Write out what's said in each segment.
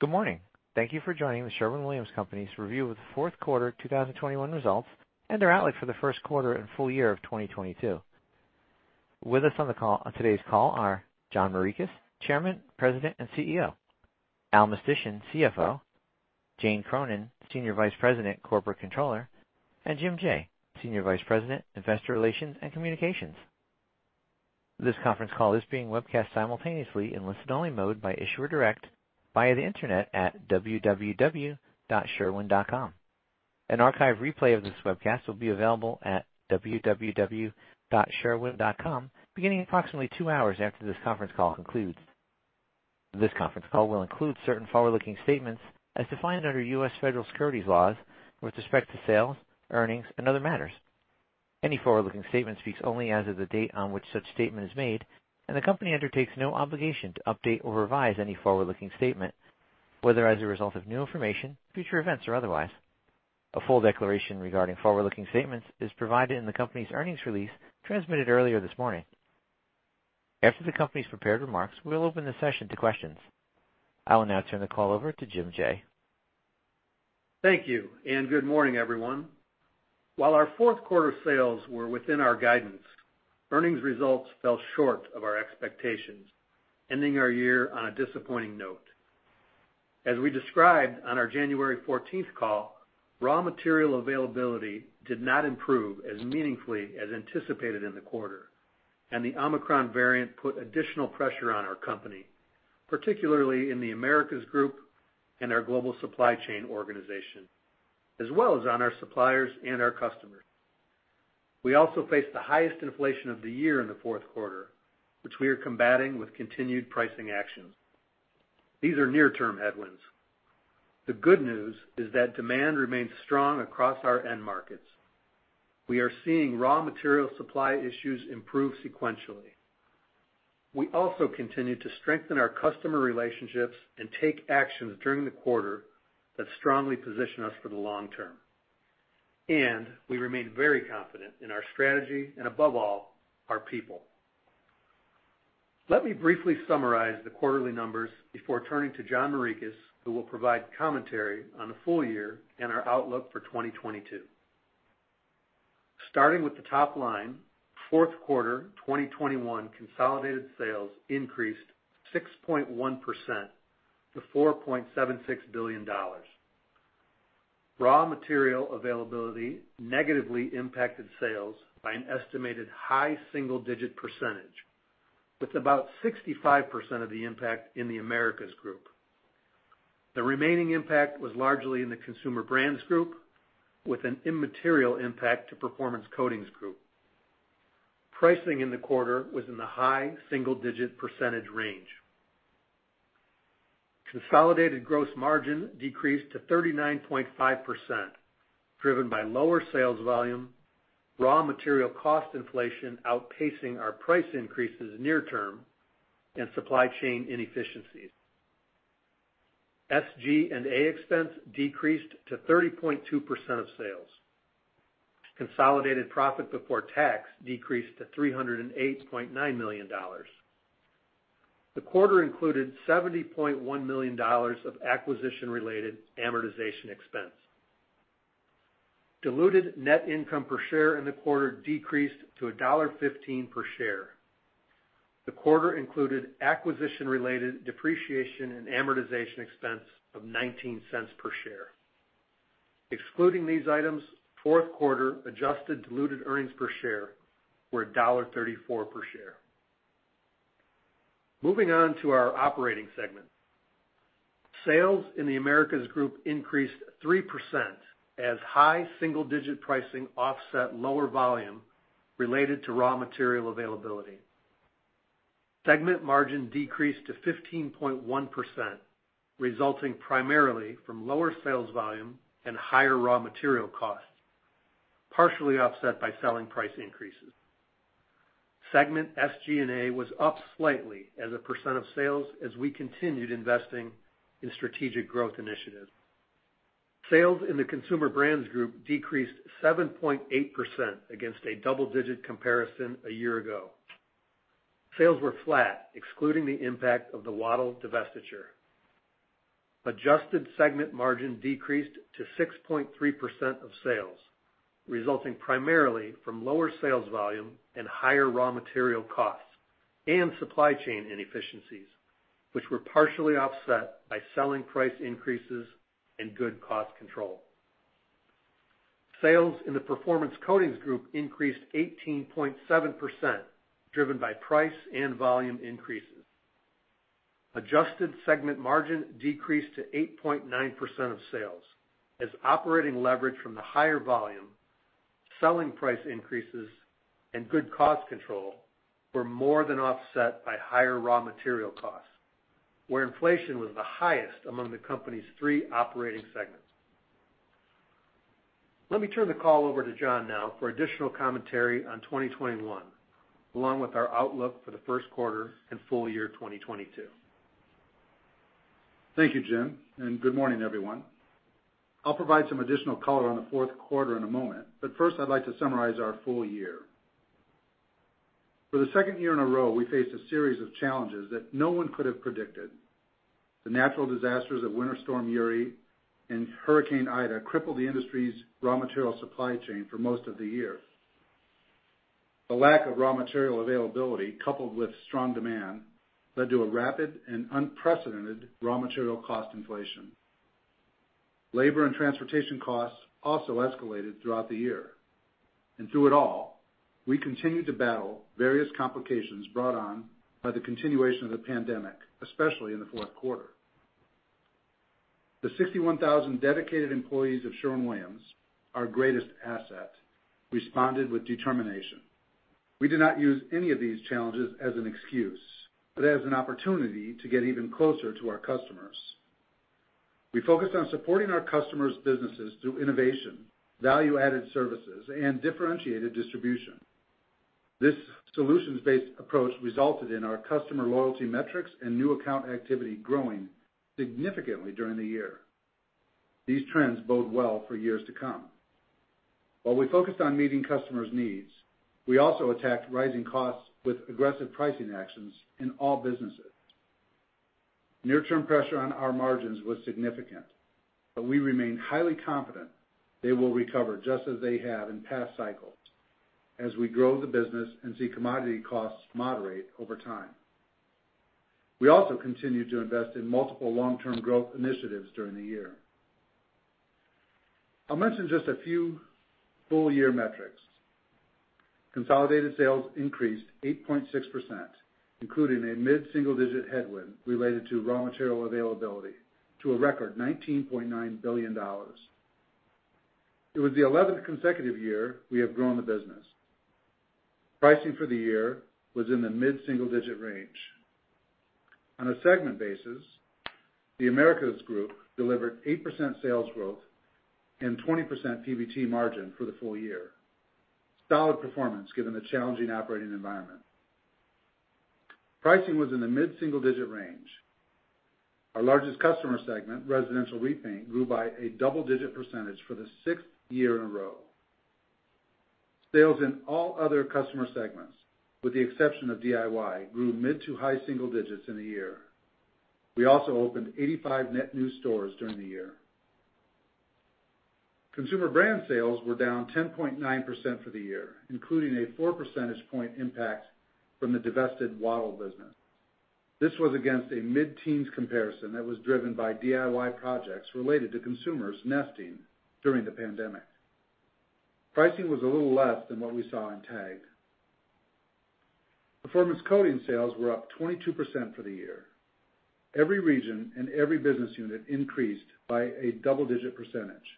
Good morning. Thank you for joining The Sherwin-Williams Company's Review of The Fourth Quarter 2021 Results and Their Outlook For The First Quarter and Full Year of 2022. With us on today's call are John Morikis, Chairman, President, and CEO, Allen Mistysyn, CFO, Jane Cronin, Senior Vice President, Corporate Controller, and Jim Jaye, Senior Vice President, Investor Relations and Communications. This conference call is being webcast simultaneously in listen-only mode by Issuer Direct via the internet at www.sherwin.com. An archive replay of this webcast will be available at www.sherwin.com beginning approximately 2 hours after this conference call concludes. This conference call will include certain forward-looking statements as defined under U.S. Federal securities laws with respect to sales, earnings, and other matters. Any forward-looking statement speaks only as of the date on which such statement is made, and the company undertakes no obligation to update or revise any forward-looking statement, whether as a result of new information, future events or otherwise. A full declaration regarding forward-looking statements is provided in the company's earnings release transmitted earlier this morning. After the company's prepared remarks, we'll open the session to questions. I will now turn the call over to Jim Jaye. Thank you, and good morning, everyone. While our fourth quarter sales were within our guidance, earnings results fell short of our expectations, ending our year on a disappointing note. As we described on our January fourteenth call, raw material availability did not improve as meaningfully as anticipated in the quarter, and the Omicron variant put additional pressure on our company, particularly in the Americas Group and our global supply chain organization, as well as on our suppliers and our customers. We also faced the highest inflation of the year in the fourth quarter, which we are combating with continued pricing actions. These are near-term headwinds. The good news is that demand remains strong across our end markets. We are seeing raw material supply issues improve sequentially. We also continue to strengthen our customer relationships and take actions during the quarter that strongly position us for the long term. We remain very confident in our strategy and, above all, our people. Let me briefly summarize the quarterly numbers before turning to John Morikis, who will provide commentary on the full year and our outlook for 2022. Starting with the top line, fourth quarter 2021 consolidated sales increased 6.1% to $4.76 billion. Raw material availability negatively impacted sales by an estimated high single-digit percentage, with about 65% of the impact in The Americas Group. The remaining impact was largely in the Consumer Brands Group, with an immaterial impact to Performance Coatings Group. Pricing in the quarter was in the high single-digit percentage range. Consolidated gross margin decreased to 39.5%, driven by lower sales volume, raw material cost inflation outpacing our price increases near term, and supply chain inefficiencies. SG&A expense decreased to 30.2% of sales. Consolidated profit before tax decreased to $308.9 million. The quarter included $70.1 million of acquisition-related amortization expense. Diluted net income per share in the quarter decreased to $1.15 per share. The quarter included acquisition-related depreciation and amortization expense of $0.19 per share. Excluding these items, fourth quarter adjusted diluted earnings per share were $1.34 per share. Moving on to our operating segment. Sales in the Americas Group increased 3% as high single-digit pricing offset lower volume related to raw material availability. Segment margin decreased to 15.1%, resulting primarily from lower sales volume and higher raw material costs, partially offset by selling price increases. Segment SG&A was up slightly as a % of sales as we continued investing in strategic growth initiatives. Sales in the Consumer Brands Group decreased 7.8% against a double-digit comparison a year ago. Sales were flat, excluding the impact of the Wattyl divestiture. Adjusted segment margin decreased to 6.3% of sales, resulting primarily from lower sales volume and higher raw material costs and supply chain inefficiencies, which were partially offset by selling price increases and good cost control. Sales in the Performance Coatings Group increased 18.7%, driven by price and volume increases. Adjusted segment margin decreased to 8.9% of sales as operating leverage from the higher volume, selling price increases, and good cost control were more than offset by higher raw material costs, where inflation was the highest among the company's three operating segments. Let me turn the call over to John now for additional commentary on 2021, along with our outlook for the first quarter and full year 2022. Thank you, Jim, and good morning, everyone. I'll provide some additional color on the fourth quarter in a moment, but first I'd like to summarize our full year. For the second year in a row, we faced a series of challenges that no one could have predicted. The natural disasters of Winter Storm Uri and Hurricane Ida crippled the industry's raw material supply chain for most of the year. The lack of raw material availability, coupled with strong demand, led to a rapid and unprecedented raw material cost inflation. Labor and transportation costs also escalated throughout the year. Through it all, we continued to battle various complications brought on by the continuation of the pandemic, especially in the fourth quarter. The 61,000 dedicated employees of Sherwin-Williams, our greatest asset, responded with determination. We did not use any of these challenges as an excuse, but as an opportunity to get even closer to our customers. We focused on supporting our customers' businesses through innovation, value-added services, and differentiated distribution. This solutions-based approach resulted in our customer loyalty metrics and new account activity growing significantly during the year. These trends bode well for years to come. While we focused on meeting customers' needs, we also attacked rising costs with aggressive pricing actions in all businesses. Near-term pressure on our margins was significant, but we remain highly confident they will recover just as they have in past cycles as we grow the business and see commodity costs moderate over time. We also continued to invest in multiple long-term growth initiatives during the year. I'll mention just a few full year metrics. Consolidated sales increased 8.6%, including a mid-single digit headwind related to raw material availability, to a record $19.9 billion. It was the 11th consecutive year we have grown the business. Pricing for the year was in the mid-single digit range. On a segment basis, The Americas Group delivered 8% sales growth and 20% PBT margin for the full year. Solid performance given the challenging operating environment. Pricing was in the mid-single digit range. Our largest customer segment, residential repaint, grew by a double-digit % for the 6th year in a row. Sales in all other customer segments, with the exception of DIY, grew mid- to high-single digits in the year. We also opened 85 net new stores during the year. Consumer Brands sales were down 10.9% for the year, including a 4 percentage point impact from the divested Wattyl business. This was against a mid-teens comparison that was driven by DIY projects related to consumers nesting during the pandemic. Pricing was a little less than what we saw in TAG. Performance Coatings sales were up 22% for the year. Every region and every business unit increased by a double-digit percentage.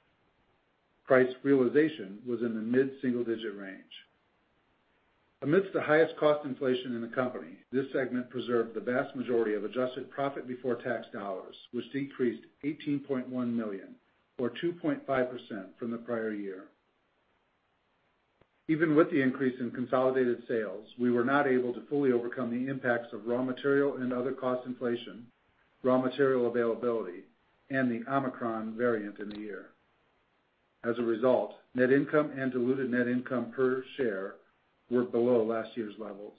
Price realization was in the mid-single-digit range. Amidst the highest cost inflation in the company, this segment preserved the vast majority of adjusted profit before tax dollars, which decreased $18.1 million or 2.5% from the prior year. Even with the increase in consolidated sales, we were not able to fully overcome the impacts of raw material and other cost inflation, raw material availability, and the Omicron variant in the year. As a result, net income and diluted net income per share were below last year's levels.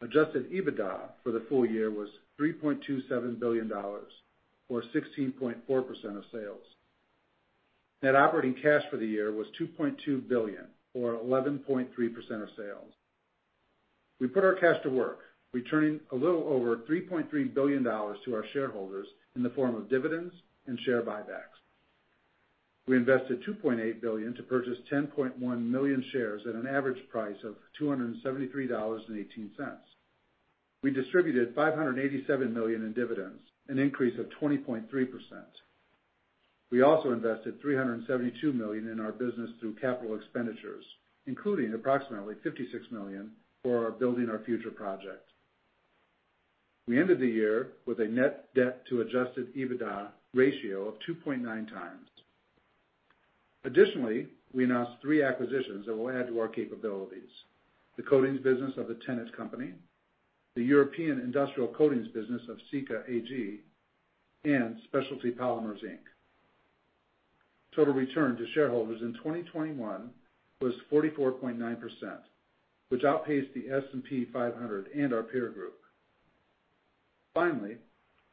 Adjusted EBITDA for the full year was $3.27 billion or 16.4% of sales. Net operating cash for the year was $2.2 billion or 11.3% of sales. We put our cash to work, returning a little over $3.3 billion to our shareholders in the form of dividends and share buybacks. We invested $2.8 billion to purchase 10.1 million shares at an average price of $273.18. We distributed $587 million in dividends, an increase of 20.3%. We also invested $372 million in our business through capital expenditures, including approximately $56 million for our Building Our Future project. We ended the year with a net debt to adjusted EBITDA ratio of 2.9x. Additionally, we announced three acquisitions that will add to our capabilities, the coatings business of the Tennant Company, the European industrial coatings business of Sika AG, and Specialty Polymers Inc. Total return to shareholders in 2021 was 44.9%, which outpaced the S&P 500 and our peer group. Finally,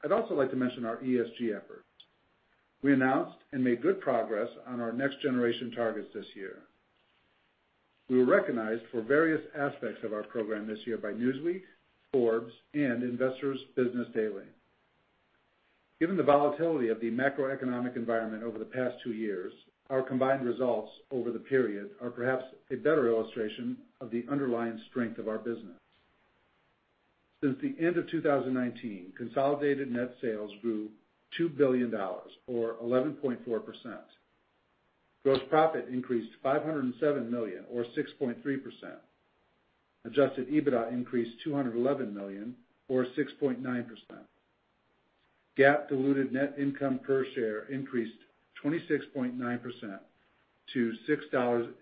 I'd also like to mention our ESG efforts. We announced and made good progress on our next generation targets this year. We were recognized for various aspects of our program this year by Newsweek, Forbes, and Investor's Business Daily. Given the volatility of the macroeconomic environment over the past two years, our combined results over the period are perhaps a better illustration of the underlying strength of our business. Since the end of 2019, consolidated net sales grew $2 billion or 11.4%. Gross profit increased $507 million or 6.3%. Adjusted EBITDA increased $211 million or 6.9%. GAAP diluted net income per share increased 26.9% to $6.98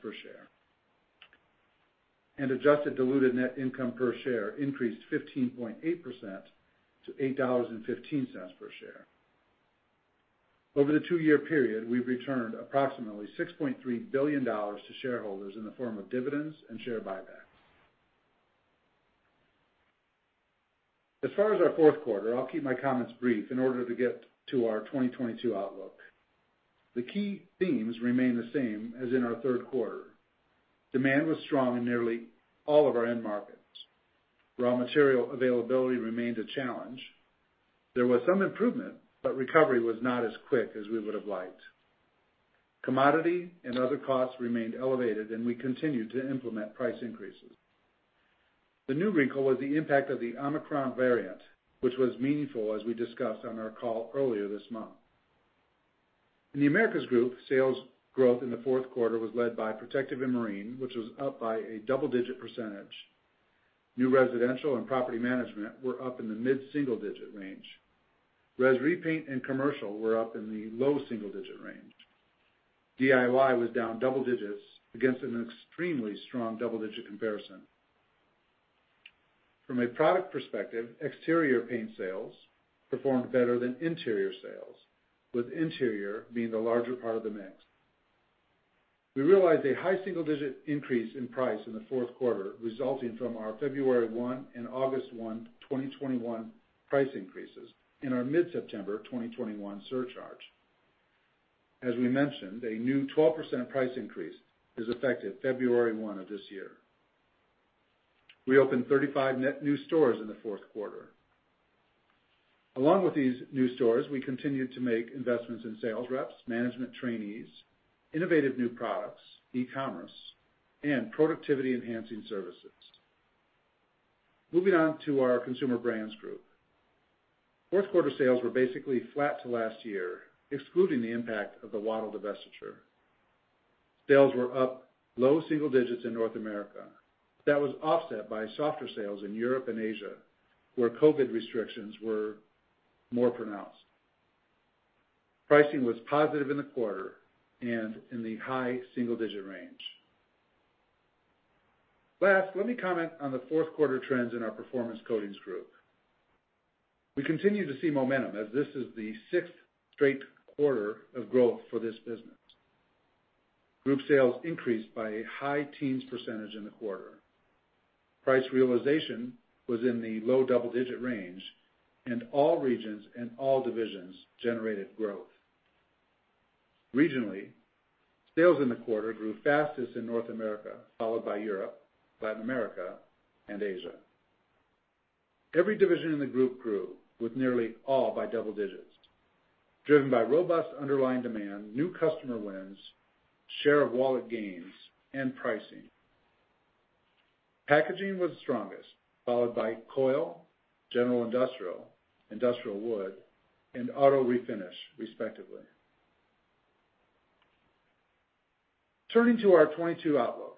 per share. Adjusted diluted net income per share increased 15.8% to $8.15 per share. Over the two-year period, we've returned approximately $6.3 billion to shareholders in the form of dividends and share buybacks. As far as our fourth quarter, I'll keep my comments brief in order to get to our 2022 outlook. The key themes remain the same as in our third quarter. Demand was strong in nearly all of our end markets. Raw material availability remained a challenge. There was some improvement, but recovery was not as quick as we would have liked. Commodity and other costs remained elevated, and we continued to implement price increases. The new wrinkle was the impact of the Omicron variant, which was meaningful as we discussed on our call earlier this month. In The Americas Group, sales growth in the fourth quarter was led by Protective & Marine, which was up by a double-digit percentage. New residential and property management were up in the mid-single-digit range, whereas repaint and commercial were up in the low single-digit range. DIY was down double digits against an extremely strong double-digit comparison. From a product perspective, exterior paint sales performed better than interior sales, with interior being the larger part of the mix. We realized a high single-digit increase in price in the fourth quarter, resulting from our February 1 and August 1, 2021 price increases and our mid-September 2021 surcharge. As we mentioned, a new 12% price increase is effective February 1 of this year. We opened 35 net new stores in the fourth quarter. Along with these new stores, we continued to make investments in sales reps, management trainees, innovative new products, e-commerce, and productivity enhancing services. Moving on to our Consumer Brands Group. Fourth quarter sales were basically flat to last year, excluding the impact of the Wattyl divestiture. Sales were up low single digits in North America. That was offset by softer sales in Europe and Asia, where COVID restrictions were more pronounced. Pricing was positive in the quarter and in the high single-digit range. Last, let me comment on the fourth quarter trends in our Performance Coatings Group. We continue to see momentum as this is the sixth straight quarter of growth for this business. Group sales increased by a high-teens % in the quarter. Price realization was in the low double-digit % range, and all regions and all divisions generated growth. Regionally, sales in the quarter grew fastest in North America, followed by Europe, Latin America, and Asia. Every division in the group grew with nearly all by double digits %, driven by robust underlying demand, new customer wins, share of wallet gains, and pricing. Turning to our 2022 outlook.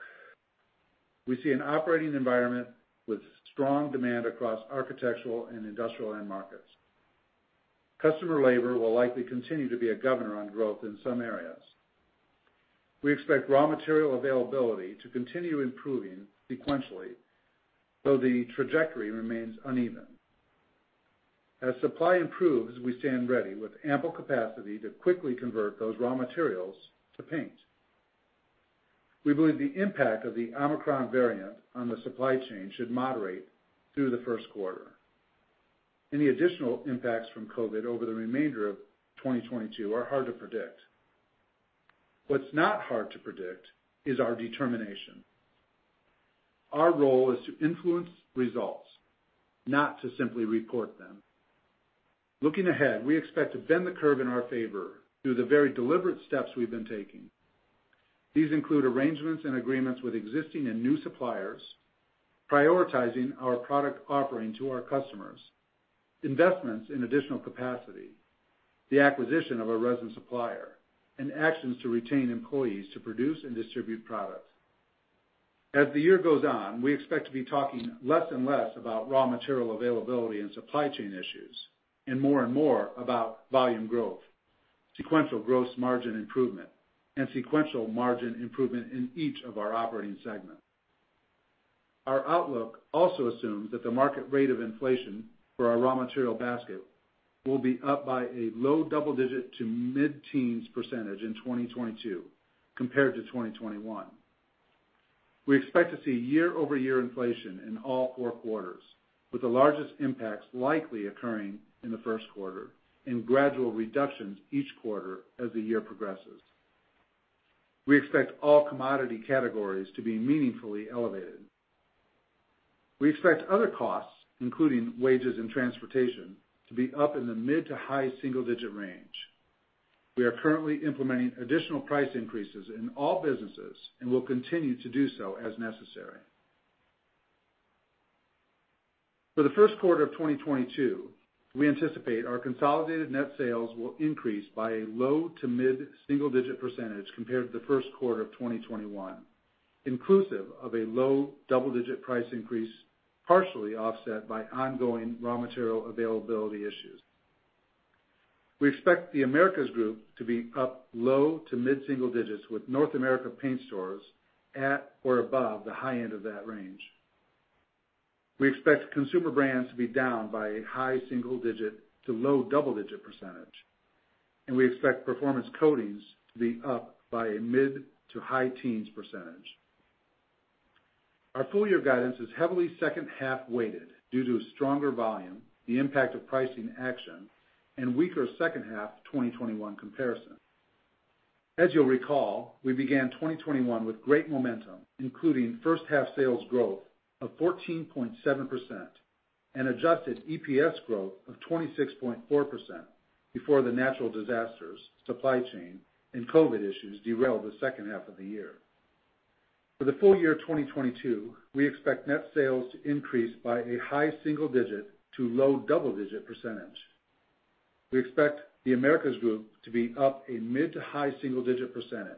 We see an operating environment with strong demand across architectural and industrial end markets. Customer labor will likely continue to be a governor on growth in some areas. We expect raw material availability to continue improving sequentially, though the trajectory remains uneven. As supply improves, we stand ready with ample capacity to quickly convert those raw materials to paint. We believe the impact of the Omicron variant on the supply chain should moderate through the first quarter. Any additional impacts from COVID over the remainder of 2022 are hard to predict. What's not hard to predict is our determination. Our role is to influence results, not to simply report them. Looking ahead, we expect to bend the curve in our favor through the very deliberate steps we've been taking. These include arrangements and agreements with existing and new suppliers, prioritizing our product offering to our customers, investments in additional capacity, the acquisition of a resin supplier, and actions to retain employees to produce and distribute products. As the year goes on, we expect to be talking less and less about raw material availability and supply chain issues, and more and more about volume growth, sequential gross margin improvement, and sequential margin improvement in each of our operating segments. Our outlook also assumes that the market rate of inflation for our raw material basket will be up by a low double-digit to mid-teens percentage in 2022 compared to 2021. We expect to see year-over-year inflation in all four quarters, with the largest impacts likely occurring in the first quarter and gradual reductions each quarter as the year progresses. We expect all commodity categories to be meaningfully elevated. We expect other costs, including wages and transportation, to be up in the mid- to high-single-digit range. We are currently implementing additional price increases in all businesses and will continue to do so as necessary. For the first quarter of 2022, we anticipate our consolidated net sales will increase by a low- to mid-single-digit % compared to the first quarter of 2021, inclusive of a low double-digit price increase, partially offset by ongoing raw material availability issues. We expect the Americas Group to be up low- to mid-single digits with North America Paint Stores at or above the high end of that range. We expect Consumer Brands to be down by a high single-digit to low double-digit %, and we expect Performance Coatings to be up by a mid- to high-teens %. Our full year guidance is heavily second half weighted due to a stronger volume, the impact of pricing action, and weaker second half of 2021 comparison. As you'll recall, we began 2021 with great momentum, including first half sales growth of 14.7% and adjusted EPS growth of 26.4% before the natural disasters, supply chain, and COVID issues derailed the second half of the year. For the full year 2022, we expect net sales to increase by a high single-digit to low double-digit %. We expect The Americas Group to be up a mid- to high single-digit %,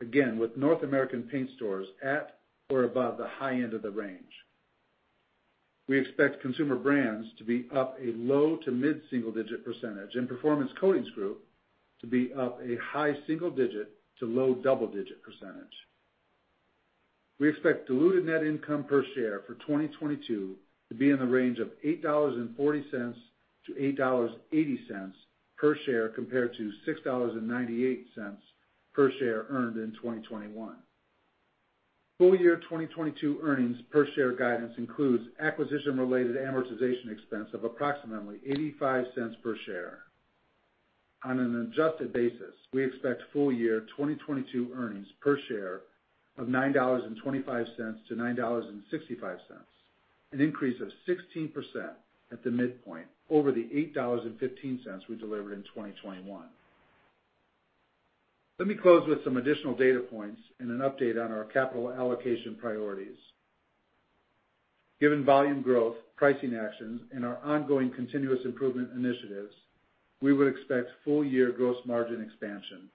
again, with North America Paint Stores at or above the high end of the range. We expect Consumer Brands Group to be up a low- to mid single-digit % and Performance Coatings Group to be up a high single-digit to low double-digit %. We expect diluted net income per share for 2022 to be in the range of $8.40-$8.80 per share, compared to $6.98 per share earned in 2021. Full year 2022 earnings per share guidance includes acquisition related amortization expense of approximately $0.85 per share. On an adjusted basis, we expect full year 2022 earnings per share of $9.25-$9.65, an increase of 16% at the midpoint over the $8.15 we delivered in 2021. Let me close with some additional data points and an update on our capital allocation priorities. Given volume growth, pricing actions, and our ongoing continuous improvement initiatives, we would expect full year gross margin expansion.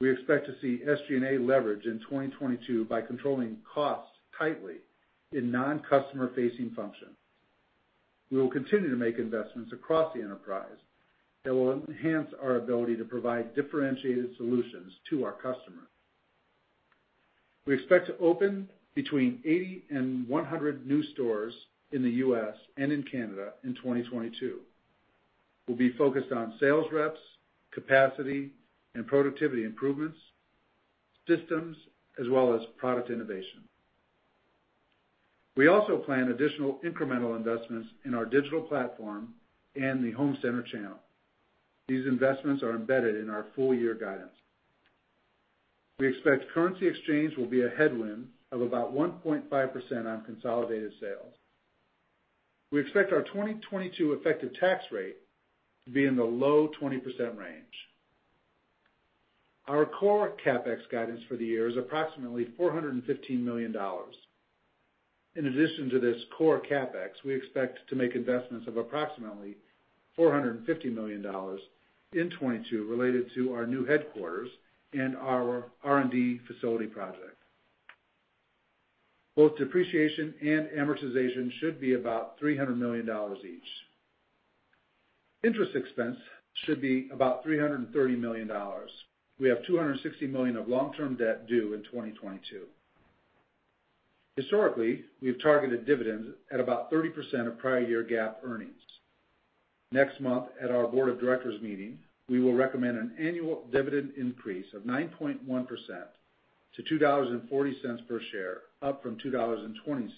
We expect to see SG&A leverage in 2022 by controlling costs tightly in non-customer facing functions. We will continue to make investments across the enterprise that will enhance our ability to provide differentiated solutions to our customers. We expect to open between 80 and 100 new stores in the U.S. and in Canada in 2022. We'll be focused on sales reps, capacity and productivity improvements, systems, as well as product innovation. We also plan additional incremental investments in our digital platform and the home center channel. These investments are embedded in our full year guidance. We expect currency exchange will be a headwind of about 1.5% on consolidated sales. We expect our 2022 effective tax rate to be in the low 20% range. Our core CapEx guidance for the year is approximately $415 million. In addition to this core CapEx, we expect to make investments of approximately $450 million in 2022 related to our new headquarters and our R&D facility project. Both depreciation and amortization should be about $300 million each. Interest expense should be about $330 million. We have $260 million of long-term debt due in 2022. Historically, we've targeted dividends at about 30% of prior year GAAP earnings. Next month at our board of directors meeting, we will recommend an annual dividend increase of 9.1% to $2.40 per share, up from $2.20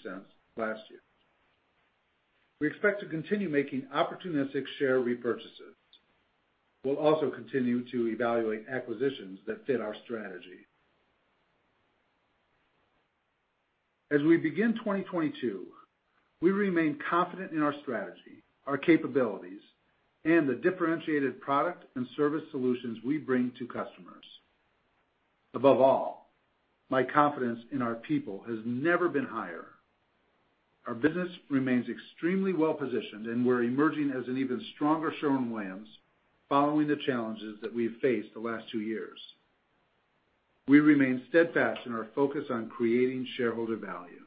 last year. We expect to continue making opportunistic share repurchases. We'll also continue to evaluate acquisitions that fit our strategy. As we begin 2022, we remain confident in our strategy, our capabilities, and the differentiated product and service solutions we bring to customers. Above all, my confidence in our people has never been higher. Our business remains extremely well positioned, and we're emerging as an even stronger Sherwin-Williams following the challenges that we have faced the last two years. We remain steadfast in our focus on creating shareholder value.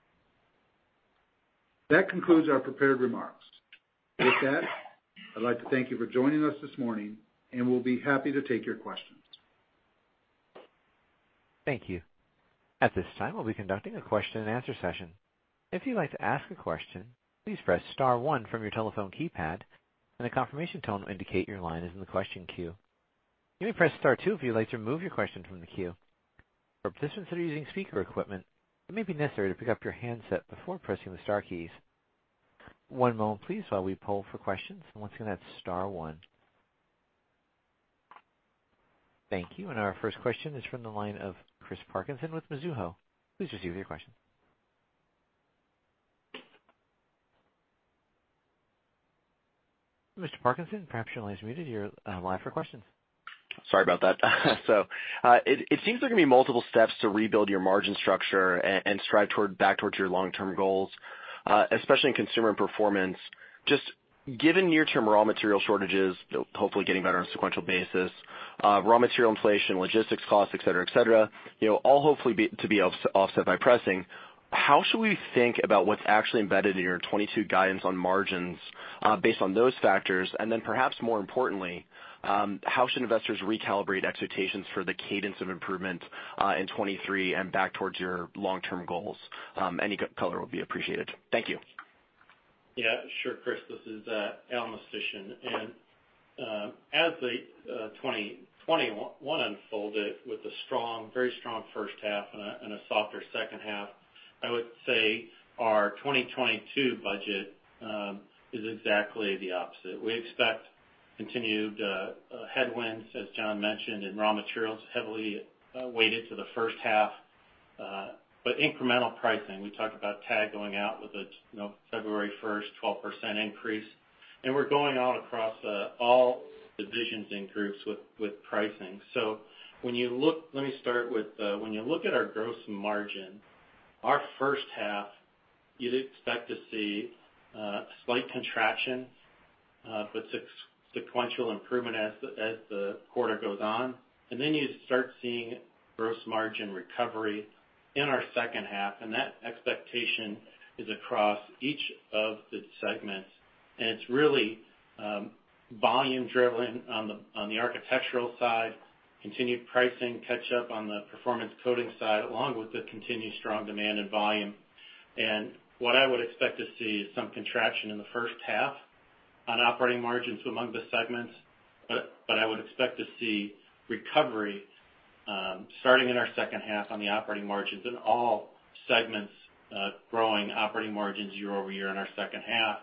That concludes our prepared remarks. With that, I'd like to thank you for joining us this morning, and we'll be happy to take your questions. Thank you. At this time, we'll be conducting a question and answer session. If you'd like to ask a question, please press star one from your telephone keypad and a confirmation tone will indicate your line is in the question queue. You may press star two if you'd like to remove your question from the queue. For participants that are using speaker equipment, it may be necessary to pick up your handset before pressing the star keys. One moment please while we poll for questions. Once again, that's star one. Thank you. Our first question is from the line of Chris Parkinson with Mizuho. Please proceed with your question. Mr. Parkinson, perhaps your line is muted. You're live for questions. Sorry about that. It seems there can be multiple steps to rebuild your margin structure and strive back towards your long-term goals, especially in consumer and performance. Just given near-term raw material shortages, hopefully getting better on a sequential basis, raw material inflation, logistics costs, et cetera, et cetera, you know, all hopefully to be offset by pricing. How should we think about what's actually embedded in your 2022 guidance on margins, based on those factors? Perhaps more importantly, how should investors recalibrate expectations for the cadence of improvement in 2023 and back towards your long-term goals? Any color will be appreciated. Thank you. Yeah, sure, Chris, this is Allen Mistysyn. As the 2021 unfolded with a strong, very strong first half and a softer second half, I would say our 2022 budget is exactly the opposite. We expect continued headwinds, as John mentioned, in raw materials, heavily weighted to the first half, but incremental pricing. We talked about TAG going out with a, you know, February 1 12% increase, and we're going out across all divisions and groups with pricing. When you look at our gross margin, our first half, you'd expect to see slight contraction, but sequential improvement as the quarter goes on. You start seeing gross margin recovery in our second half, and that expectation is across each of the segments. It's really volume driven on the architectural side, continued pricing catch up on the performance coating side, along with the continued strong demand in volume. What I would expect to see is some contraction in the first half on operating margins among the segments. I would expect to see recovery starting in our second half on the operating margins in all segments, growing operating margins year-over-year in our second half.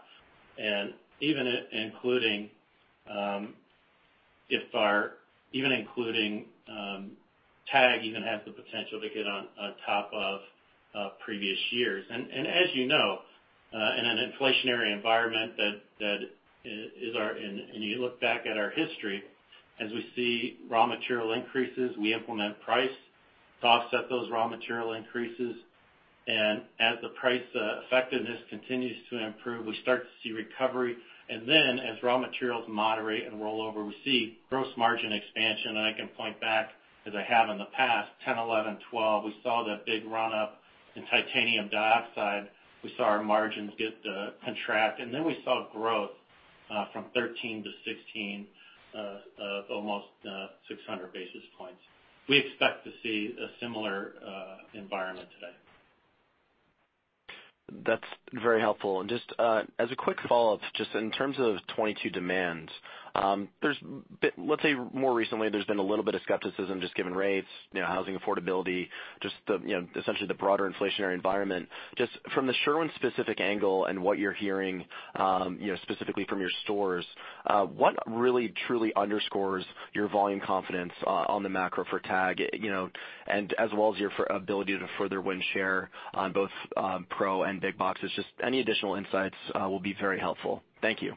Even including TAG even has the potential to get on top of previous years. As you know, in an inflationary environment, you look back at our history, as we see raw material increases, we implement price to offset those raw material increases. As the price effectiveness continues to improve, we start to see recovery. Then as raw materials moderate and roll over, we see gross margin expansion. I can point back, as I have in the past, 2010, 2011, 2012, we saw that big run up in titanium dioxide. We saw our margins get contract, and then we saw growth from 2013 to 2016, almost 600 basis points. We expect to see a similar environment today. That's very helpful. Just as a quick follow-up, just in terms of 2022 demand, let's say more recently, there's been a little bit of skepticism just given rates, you know, housing affordability, just the, you know, essentially the broader inflationary environment. Just from the Sherwin-specific angle and what you're hearing, you know, specifically from your stores, what really truly underscores your volume confidence on the macro for TAG, you know, and as well as your ability to further win share on both, pro and big box? It's just any additional insights will be very helpful. Thank you.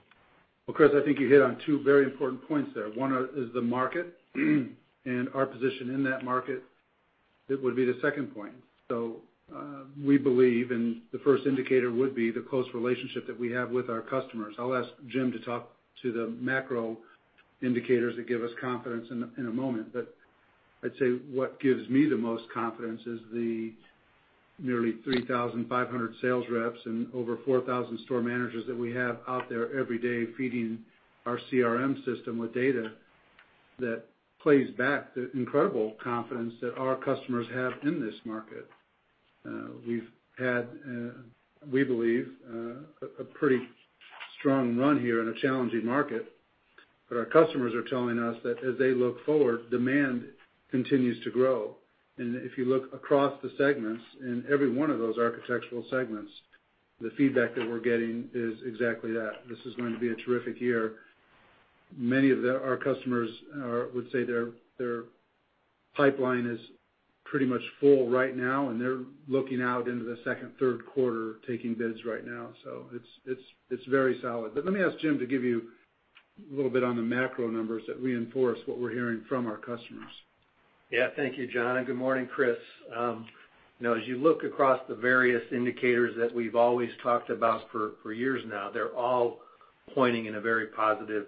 Well, Chris, I think you hit on two very important points there. One is the market and our position in that market, it would be the second point. We believe, and the first indicator would be the close relationship that we have with our customers. I'll ask Jim to talk to the macro indicators that give us confidence in a moment. I'd say what gives me the most confidence is the nearly 3,500 sales reps and over 4,000 store managers that we have out there every day feeding our CRM system with data that plays back the incredible confidence that our customers have in this market. We've had, we believe, a pretty strong run here in a challenging market, but our customers are telling us that as they look forward, demand continues to grow. If you look across the segments, in every one of those architectural segments, the feedback that we're getting is exactly that. This is going to be a terrific year. Many of our customers would say their pipeline is pretty much full right now, and they're looking out into the second, third quarter taking bids right now. It's very solid. Let me ask Jim to give you a little bit on the macro numbers that reinforce what we're hearing from our customers. Thank you, John, and good morning, Chris. You know, as you look across the various indicators that we've always talked about for years now, they're all pointing in a very positive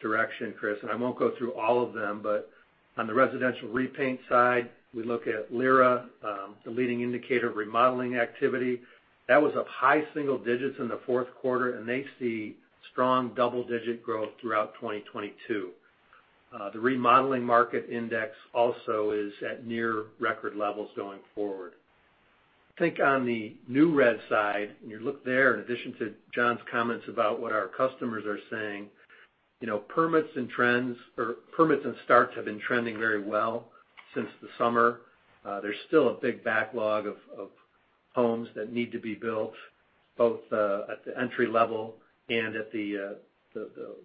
direction, Chris. I won't go through all of them, but on the residential repaint side, we look at LIRA, the Leading Indicator of Remodeling Activity. That was up high single digits in the fourth quarter, and they see strong double-digit growth throughout 2022. The remodeling market index also is at near record levels going forward. I think on the new res side, when you look there, in addition to John's comments about what our customers are saying, you know, permits and starts have been trending very well since the summer. There's still a big backlog of homes that need to be built, both at the entry level and at the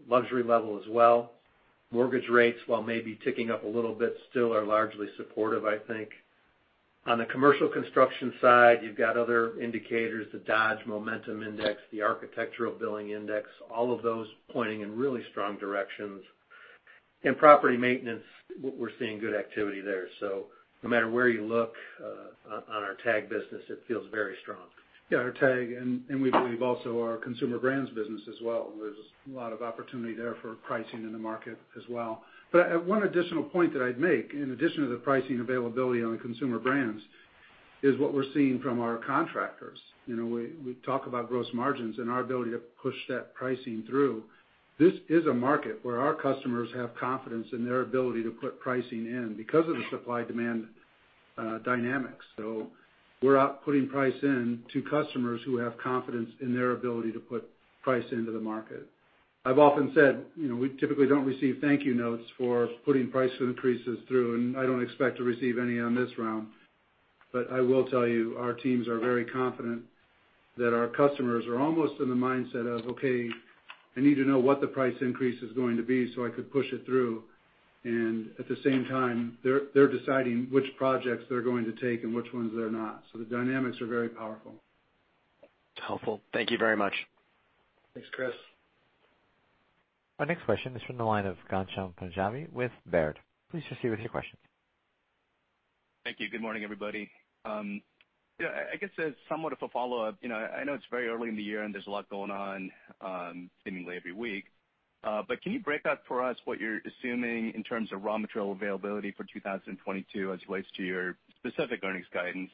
luxury level as well. Mortgage rates, while maybe ticking up a little bit, still are largely supportive, I think. On the commercial construction side, you've got other indicators, the Dodge Momentum Index, the Architecture Billings Index, all of those pointing in really strong directions. In property maintenance, we're seeing good activity there. No matter where you look, on our TAG business, it feels very strong. Our TAG and we believe also our Consumer Brands business as well. There's a lot of opportunity there for pricing in the market as well. One additional point that I'd make in addition to the pricing availability on the Consumer Brands is what we're seeing from our contractors. You know, we talk about gross margins and our ability to push that pricing through. This is a market where our customers have confidence in their ability to put pricing in because of the supply-demand dynamics. We're out putting price in to customers who have confidence in their ability to put price into the market. I've often said, you know, we typically don't receive thank you notes for putting price increases through, and I don't expect to receive any on this round. I will tell you, our teams are very confident that our customers are almost in the mindset of, "Okay, I need to know what the price increase is going to be, so I could push it through." At the same time, they're deciding which projects they're going to take and which ones they're not. The dynamics are very powerful. Helpful. Thank you very much. Thanks, Chris. Our next question is from the line of Ghansham Panjabi with Baird. Please proceed with your question. Thank you. Good morning, everybody. I guess as somewhat of a follow-up, you know, I know it's very early in the year, and there's a lot going on, seemingly every week. Can you break out for us what you're assuming in terms of raw material availability for 2022 as it relates to your specific earnings guidance?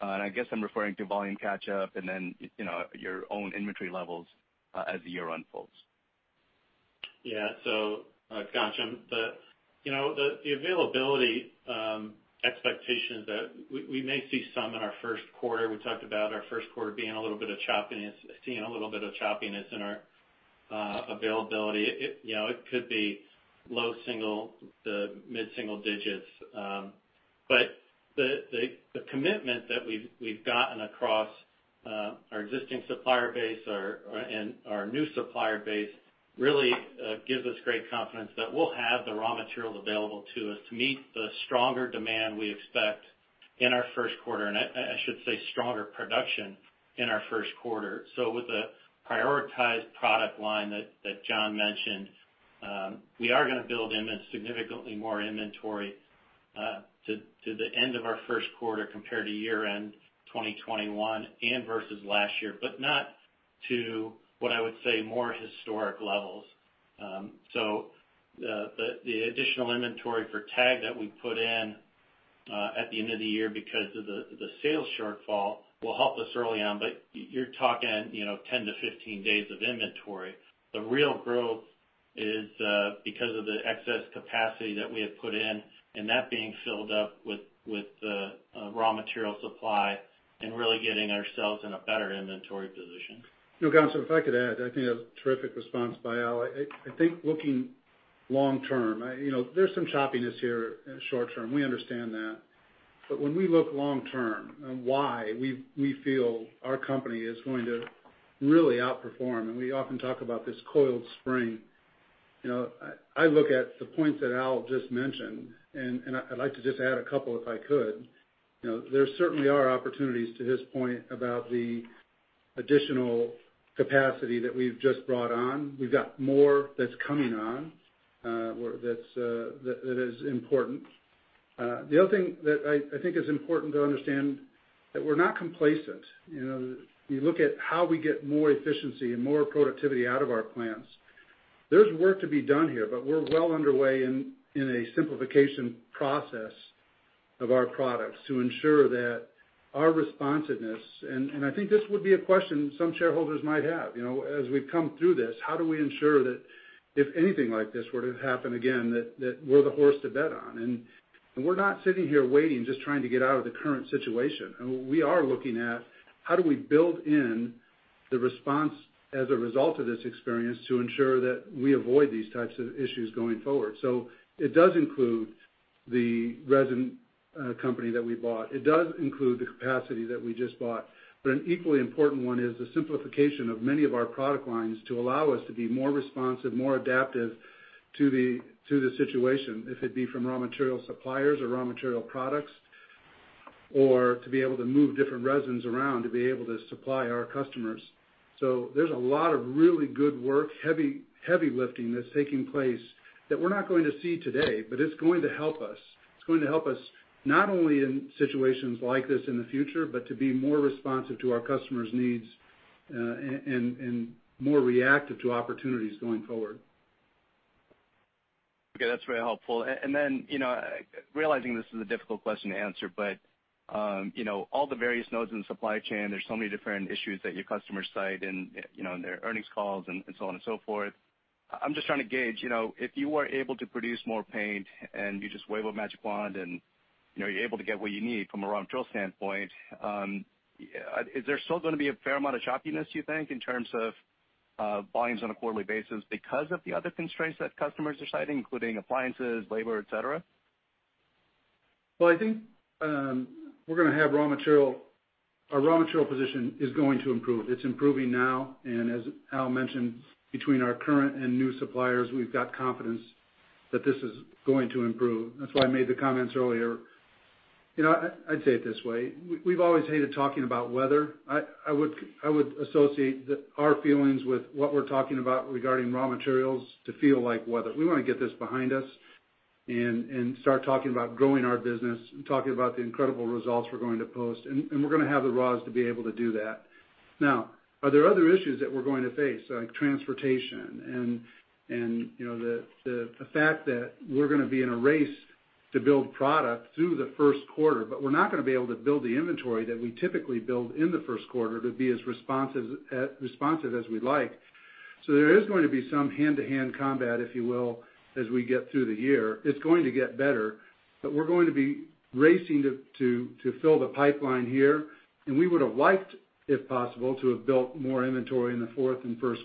I guess I'm referring to volume catch-up and then, you know, your own inventory levels, as the year unfolds. Yeah. Ghansham, you know, the availability expectations that we may see some in our first quarter. We talked about our first quarter seeing a little bit of choppiness in our availability. It, you know, could be low single to mid-single digits. But the commitment that we've gotten across our existing supplier base and our new supplier base really gives us great confidence that we'll have the raw materials available to us to meet the stronger demand we expect in our first quarter. I should say stronger production in our first quarter. With the prioritized product line that John mentioned, we are gonna build in a significantly more inventory to the end of our first quarter compared to year-end 2021 and versus last year, but not to what I would say more historic levels. The additional inventory for TAG that we put in at the end of the year because of the sales shortfall will help us early on, but you're talking, you know, 10-15 days of inventory. The real growth is because of the excess capacity that we have put in, and that being filled up with raw material supply and really getting ourselves in a better inventory position. You know, Ghansham, if I could add, I think that's a terrific response by Al. I think looking long term, you know, there's some choppiness here in the short term. We understand that. When we look long term on why we feel our company is going to really outperform, and we often talk about this coiled spring, you know, I look at the points that Al just mentioned, and I'd like to just add a couple if I could. You know, there certainly are opportunities to his point about the additional capacity that we've just brought on. We've got more that's coming on, or that is important. The other thing that I think is important to understand that we're not complacent. You know, you look at how we get more efficiency and more productivity out of our plants. There's work to be done here, but we're well underway in a simplification process of our products to ensure that our responsiveness, and I think this would be a question some shareholders might have. You know, as we come through this, how do we ensure that if anything like this were to happen again, that we're the horse to bet on? We're not sitting here waiting, just trying to get out of the current situation. We are looking at how do we build in the response as a result of this experience to ensure that we avoid these types of issues going forward. It does include the resin company that we bought. It does include the capacity that we just bought. An equally important one is the simplification of many of our product lines to allow us to be more responsive, more adaptive to the situation, if it be from raw material suppliers or raw material products, or to be able to move different resins around to be able to supply our customers. There's a lot of really good work, heavy lifting that's taking place that we're not going to see today, but it's going to help us. It's going to help us not only in situations like this in the future, but to be more responsive to our customers' needs, and more reactive to opportunities going forward. Okay, that's very helpful. You know, realizing this is a difficult question to answer, but, you know, all the various nodes in the supply chain, there's so many different issues that your customers cite in, you know, in their earnings calls and so on and so forth. I'm just trying to gauge, you know, if you were able to produce more paint and you just wave a magic wand and, you know, you're able to get what you need from a raw material standpoint, is there still gonna be a fair amount of choppiness, you think, in terms of, volumes on a quarterly basis because of the other constraints that customers are citing, including appliances, labor, et cetera? Well, I think our raw material position is going to improve. It's improving now, and as Al mentioned, between our current and new suppliers, we've got confidence that this is going to improve. That's why I made the comments earlier. You know, I'd say it this way, we've always hated talking about weather. I would associate our feelings with what we're talking about regarding raw materials to feel like weather. We wanna get this behind us and start talking about growing our business and talking about the incredible results we're going to post, and we're gonna have the raws to be able to do that. Now, are there other issues that we're going to face, like transportation and you know the fact that we're gonna be in a race to build product through the first quarter, but we're not gonna be able to build the inventory that we typically build in the first quarter to be as responsive as we'd like. There is going to be some hand-to-hand combat, if you will, as we get through the year. It's going to get better, but we're going to be racing to fill the pipeline here. We would have liked, if possible, to have built more inventory in the fourth and first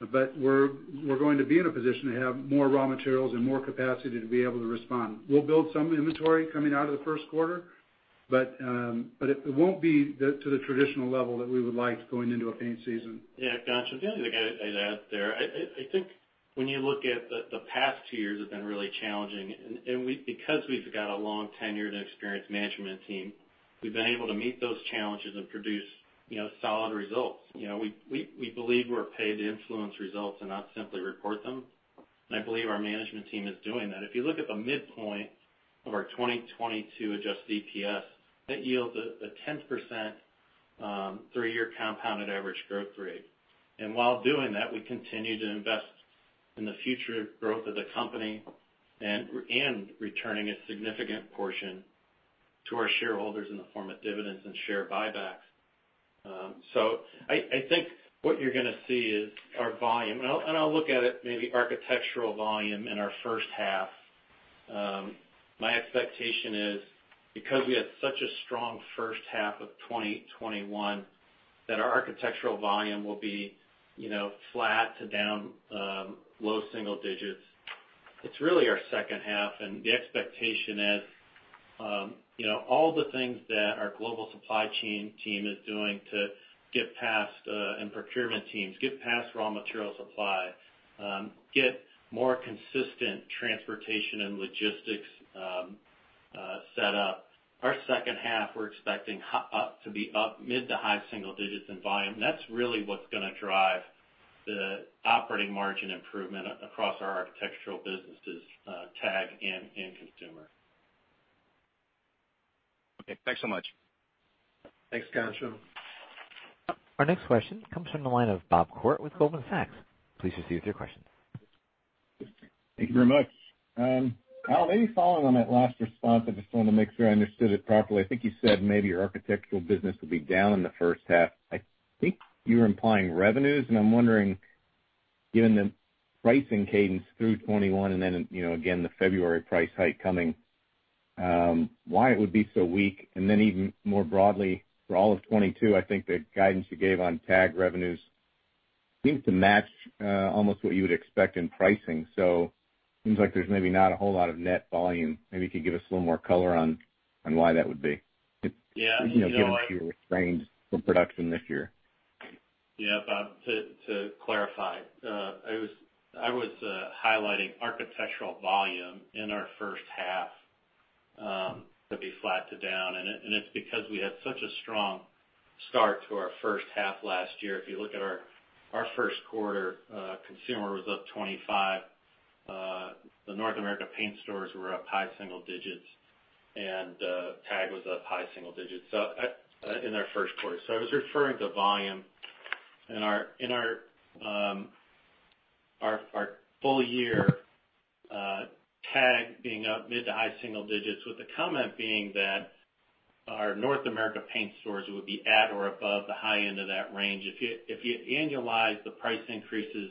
quarter. But we're going to be in a position to have more raw materials and more capacity to be able to respond. We'll build some inventory coming out of the first quarter, but it won't be to the traditional level that we would like going into a paint season. Yeah, gotcha. The only thing I'd add there, I think when you look at the past two years have been really challenging. We've got a long tenured and experienced management team, we've been able to meet those challenges and produce, you know, solid results. You know, we believe we're paid to influence results and not simply report them. I believe our management team is doing that. If you look at the midpoint of our 2022 adjusted EPS, that yields a 10% three-year compounded average growth rate. While doing that, we continue to invest in the future growth of the company and returning a significant portion to our shareholders in the form of dividends and share buybacks. I think what you're gonna see is our volume, and I'll look at it, maybe architectural volume in our first half. My expectation is because we had such a strong first half of 2021, that our architectural volume will be, you know, flat to down low single digits. It's really our second half. The expectation is, you know, all the things that our global supply chain team and procurement teams are doing to get past raw material supply, get more consistent transportation and logistics set up. Our second half, we're expecting to be up mid- to high-single digits in volume. That's really what's gonna drive the operating margin improvement across our architectural businesses, TAG and Consumer. Okay, thanks so much. Thanks, Ghansham Panjabi. Our next question comes from the line of Bob Koort with Goldman Sachs. Please proceed with your question. Thank you very much. Kyle, maybe following on that last response, I just wanted to make sure I understood it properly. I think you said maybe your architectural business would be down in the first half. I think you were implying revenues, and I'm wondering, given the pricing cadence through 2021 and then, you know, again, the February price hike coming, why it would be so weak. Even more broadly, for all of 2022, I think the guidance you gave on TAG revenues seems to match almost what you would expect in pricing. Seems like there's maybe not a whole lot of net volume. Maybe you could give us a little more color on why that would be. Yeah. You know, You know, given that you restrained production this year. Yeah. To clarify, I was highlighting architectural volume in our first half to be flat to down, and it's because we had such a strong start to our first half last year. If you look at our first quarter, Consumer was up 25%. The North America Paint Stores were up high single digits, and TAG was up high single digits, so in our first quarter. I was referring to volume in our full year TAG being up mid- to high single digits, with the comment being that our North America Paint Stores would be at or above the high end of that range. If you annualize the price increases,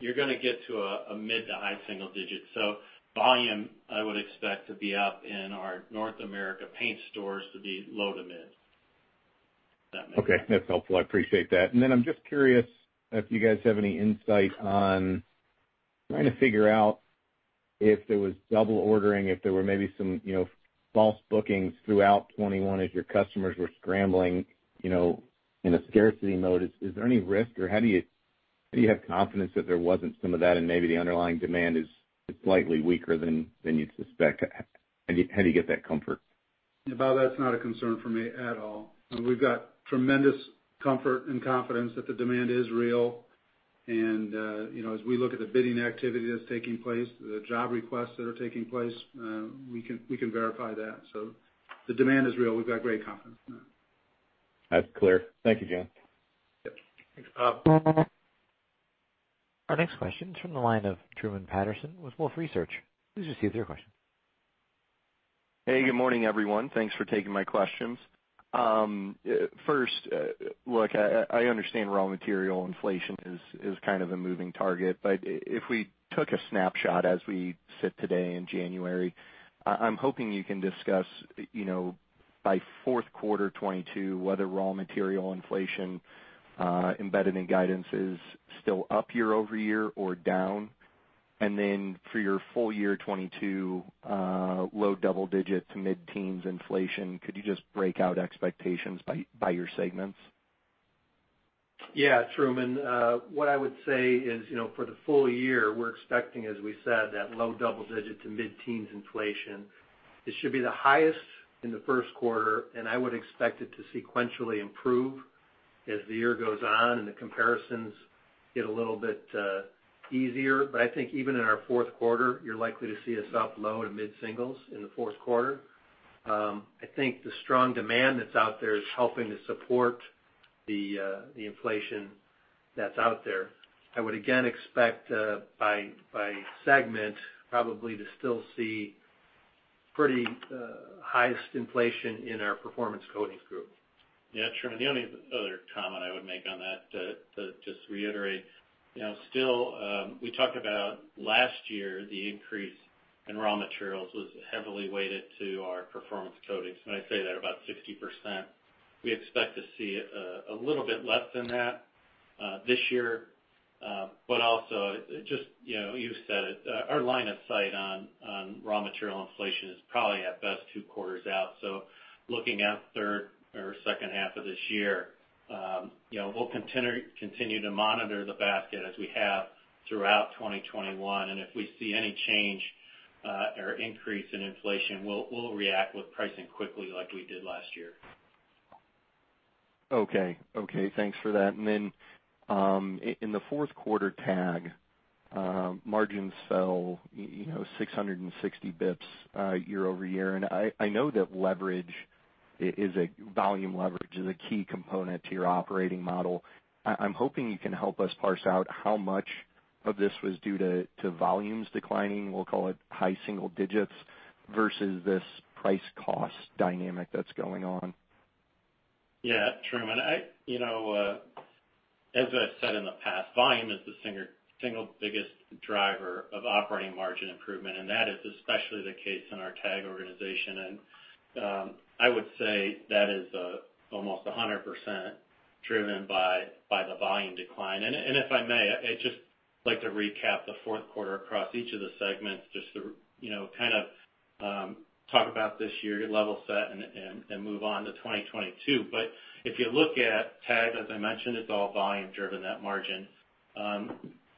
you're gonna get to a mid- to high single digits. Volume, I would expect to be up in our North America Paint Stores to be low to mid, if that makes sense. Okay, that's helpful, I appreciate that. I'm just curious if you guys have any insight on trying to figure out if there was double ordering, if there were maybe some, you know, false bookings throughout 2021 as your customers were scrambling, you know, in a scarcity mode. Is there any risk or how do you have confidence that there wasn't some of that and maybe the underlying demand is slightly weaker than you'd suspect? How do you get that comfort? Yeah, Bob, that's not a concern for me at all. We've got tremendous comfort and confidence that the demand is real. You know, as we look at the bidding activity that's taking place, the job requests that are taking place, we can verify that. So the demand is real. We've got great confidence in that. That's clear. Thank you, gentlemen. Yep. Thanks, Bob. Our next question is from the line of Truman Patterson with Wolfe Research. Please proceed with your question. Hey, good morning, everyone. Thanks for taking my questions. First, look, I understand raw material inflation is kind of a moving target, but if we took a snapshot as we sit today in January, I'm hoping you can discuss, you know, by fourth quarter 2022, whether raw material inflation embedded in guidance is still up year over year or down. For your full year 2022, low double-digit to mid-teens inflation, could you just break out expectations by your segments? Yeah, Truman. What I would say is, you know, for the full year, we're expecting, as we said, that low double-digit to mid-teens inflation. It should be the highest in the first quarter, and I would expect it to sequentially improve as the year goes on and the comparisons get a little bit easier. I think even in our fourth quarter, you're likely to see us up low- to mid-singles in the fourth quarter. I think the strong demand that's out there is helping to support the inflation that's out there. I would again expect, by segment probably to still see highest inflation in our Performance Coatings Group. Yeah, Truman, the only other comment I would make on that, to just reiterate, you know, still, we talked about last year, the increase in raw materials was heavily weighted to our Performance Coatings, and I'd say they're about 60%. We expect to see a little bit less than that this year. Also just, you know, you said it, our line of sight on raw material inflation is probably at best two quarters out. Looking at third or second half of this year, you know, we'll continue to monitor the basket as we have throughout 2021. If we see any change or increase in inflation, we'll react with pricing quickly like we did last year. Okay. Thanks for that. In the fourth quarter TAG margins fell, you know, 660 basis points year over year. I know that volume leverage is a key component to your operating model. I'm hoping you can help us parse out how much of this was due to volumes declining, we'll call it high single digits, versus this price cost dynamic that's going on. Yeah, Truman, you know, as I said in the past, volume is the single biggest driver of operating margin improvement, and that is especially the case in our TAG organization. I would say that is almost 100% driven by the volume decline. If I may, I'd just like to recap the fourth quarter across each of the segments just to, you know, kind of talk about this year, level set, and move on to 2022. If you look at TAG, as I mentioned, it's all volume driven, that margin.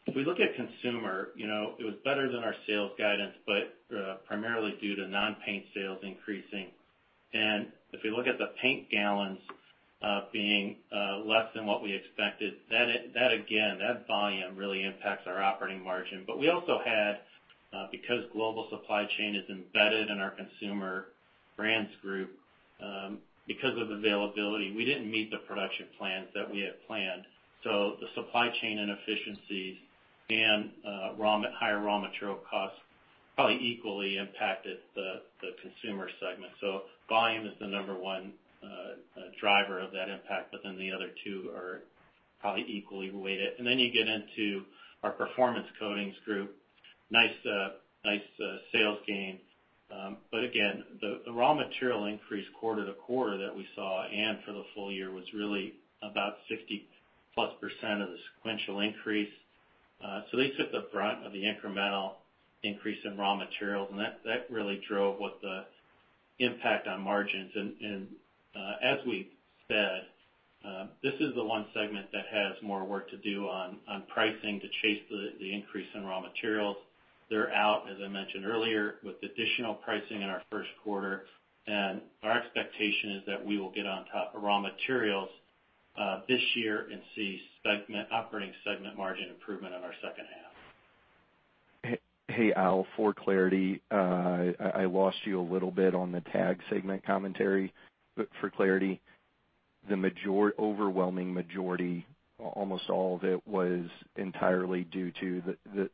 If we look at consumer, you know, it was better than our sales guidance, but primarily due to non-paint sales increasing. If we look at the paint gallons being less than what we expected, that again, that volume really impacts our operating margin. We also had because global supply chain is embedded in our Consumer Brands Group, because of availability, we didn't meet the production plans that we had planned. The supply chain inefficiencies and higher raw material costs probably equally impacted the Consumer segment. Volume is the number one driver of that impact, but then the other two are probably equally weighted. You get into our Performance Coatings Group. Nice sales gain. Again, the raw material increase quarter-over-quarter that we saw and for the full year was really about 60%+ of the sequential increase. They took the brunt of the incremental increase in raw materials, and that really drove what the impact on margins. As we said, this is the one segment that has more work to do on pricing to chase the increase in raw materials. They're out, as I mentioned earlier, with additional pricing in our first quarter, and our expectation is that we will get on top of raw materials this year and see segment operating segment margin improvement in our second half. Hey, Al, for clarity, I lost you a little bit on the TAG segment commentary. For clarity, the overwhelming majority, almost all of it, was entirely due to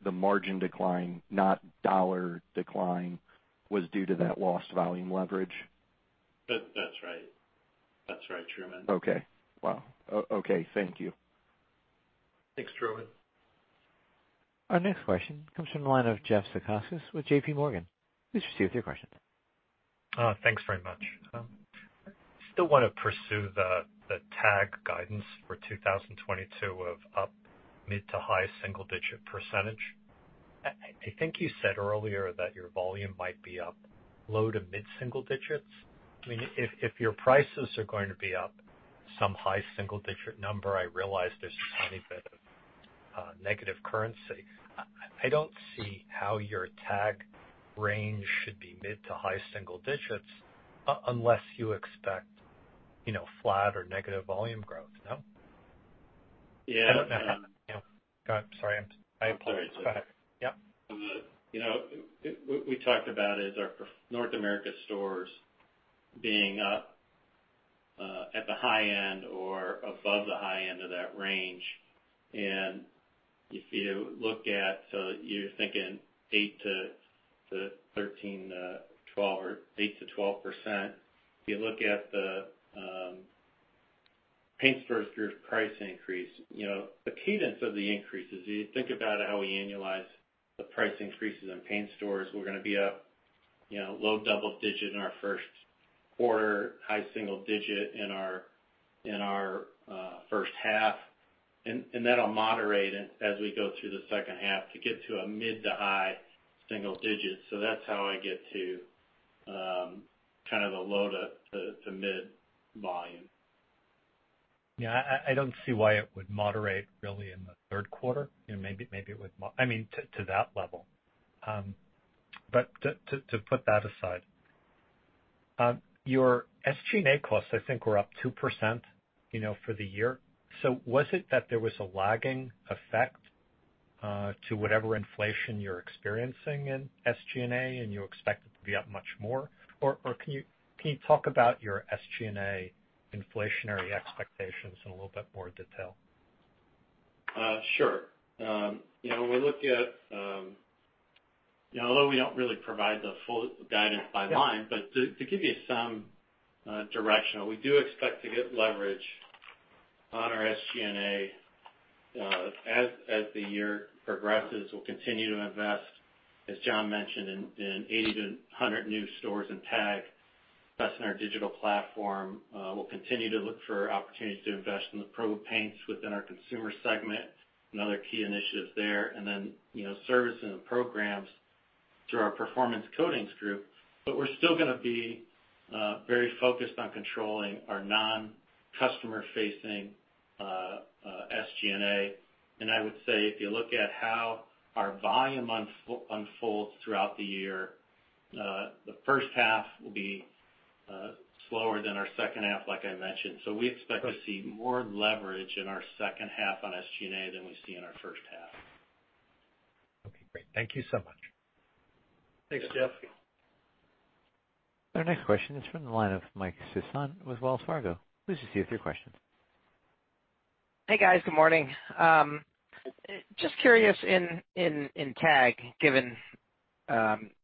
the margin decline, not dollar decline, was due to that lost volume leverage? That's right, Truman. Okay. Wow. Okay, thank you. Thanks, Truman. Our next question comes from the line of Jeff Zekauskas with J.P. Morgan. Please proceed with your question. Thanks very much. Still wanna pursue the TAG guidance for 2022 of up mid- to high-single-digit %. I think you said earlier that your volume might be up low- to mid-single digits. I mean, if your prices are going to be up some high-single-digit number, I realize there's a tiny bit of negative currency. I don't see how your TAG range should be mid- to high-single-digits unless you expect, you know, flat or negative volume growth. No? Yeah. I don't know. You know. Go on. Sorry. I interrupted. I'm sorry. Go ahead. Yep. You know, we talked about our North America stores being up at the high end or above the high end of that range. If you look at, so you're thinking 8-13, 12 or 8-12%. If you look at the paint stores' price increase, you know, the cadence of the increases, you think about how we annualize the price increases in paint stores, we're gonna be up, you know, low double digit in our first quarter, high single digit in our first half. That'll moderate as we go through the second half to get to a mid- to high single digits. That's how I get to kind of the low- to mid volume. Yeah, I don't see why it would moderate really in the third quarter. You know, maybe it would. I mean, to that level. But to put that aside, your SG&A costs I think were up 2%, you know, for the year. Was it that there was a lagging effect to whatever inflation you're experiencing in SG&A, and you expect it to be up much more? Or can you talk about your SG&A inflationary expectations in a little bit more detail? Sure. You know, when we look at, you know, although we don't really provide the full guidance by line. Yeah. To give you some direction, we expect to get leverage on our SG&A as the year progresses. We'll continue to invest, as John mentioned, in 80 to 100 new stores in TAG, invest in our digital platform. We'll continue to look for opportunities to invest in the pro paints within our consumer segment and other key initiatives there, and then service and programs through our Performance Coatings Group. We're still gonna be very focused on controlling our non-customer-facing SG&A. I would say if you look at how our volume unfolds throughout the year, the first half will be slower than our second half, like I mentioned. We expect to see more leverage in our second half on SG&A than we see in our first half. Okay. Great. Thank you so much. Thanks, Jeff. Our next question is from the line of Mike Sison with Wells Fargo. Please proceed with your question. Hey, guys. Good morning. Just curious in TAG, given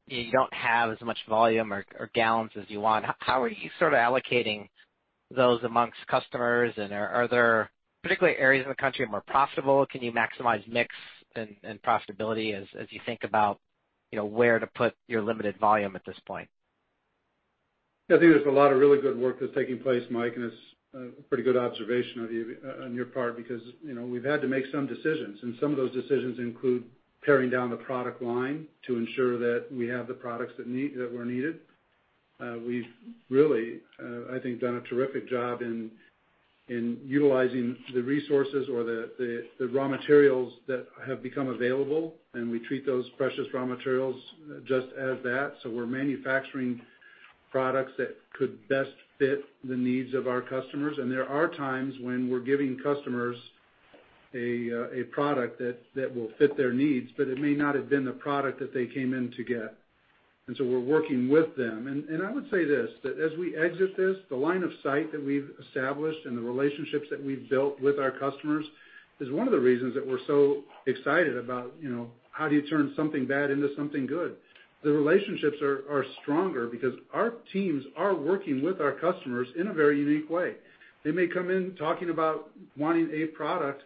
you don't have as much volume or gallons as you want, how are you sort of allocating those among customers? Are there particular areas of the country more profitable? Can you maximize mix and profitability as you think about, you know, where to put your limited volume at this point? I think there's a lot of really good work that's taking place, Mike, and it's a pretty good observation of you on your part because, you know, we've had to make some decisions, and some of those decisions include paring down the product line to ensure that we have the products that were needed. We've really, I think, done a terrific job in utilizing the resources or the raw materials that have become available, and we treat those precious raw materials just as that. We're manufacturing products that could best fit the needs of our customers. There are times when we're giving customers a product that will fit their needs, but it may not have been the product that they came in to get. We're working with them. I would say this, that as we exit this, the line of sight that we've established and the relationships that we've built with our customers is one of the reasons that we're so excited about, you know, how do you turn something bad into something good? The relationships are stronger because our teams are working with our customers in a very unique way. They may come in talking about wanting a product,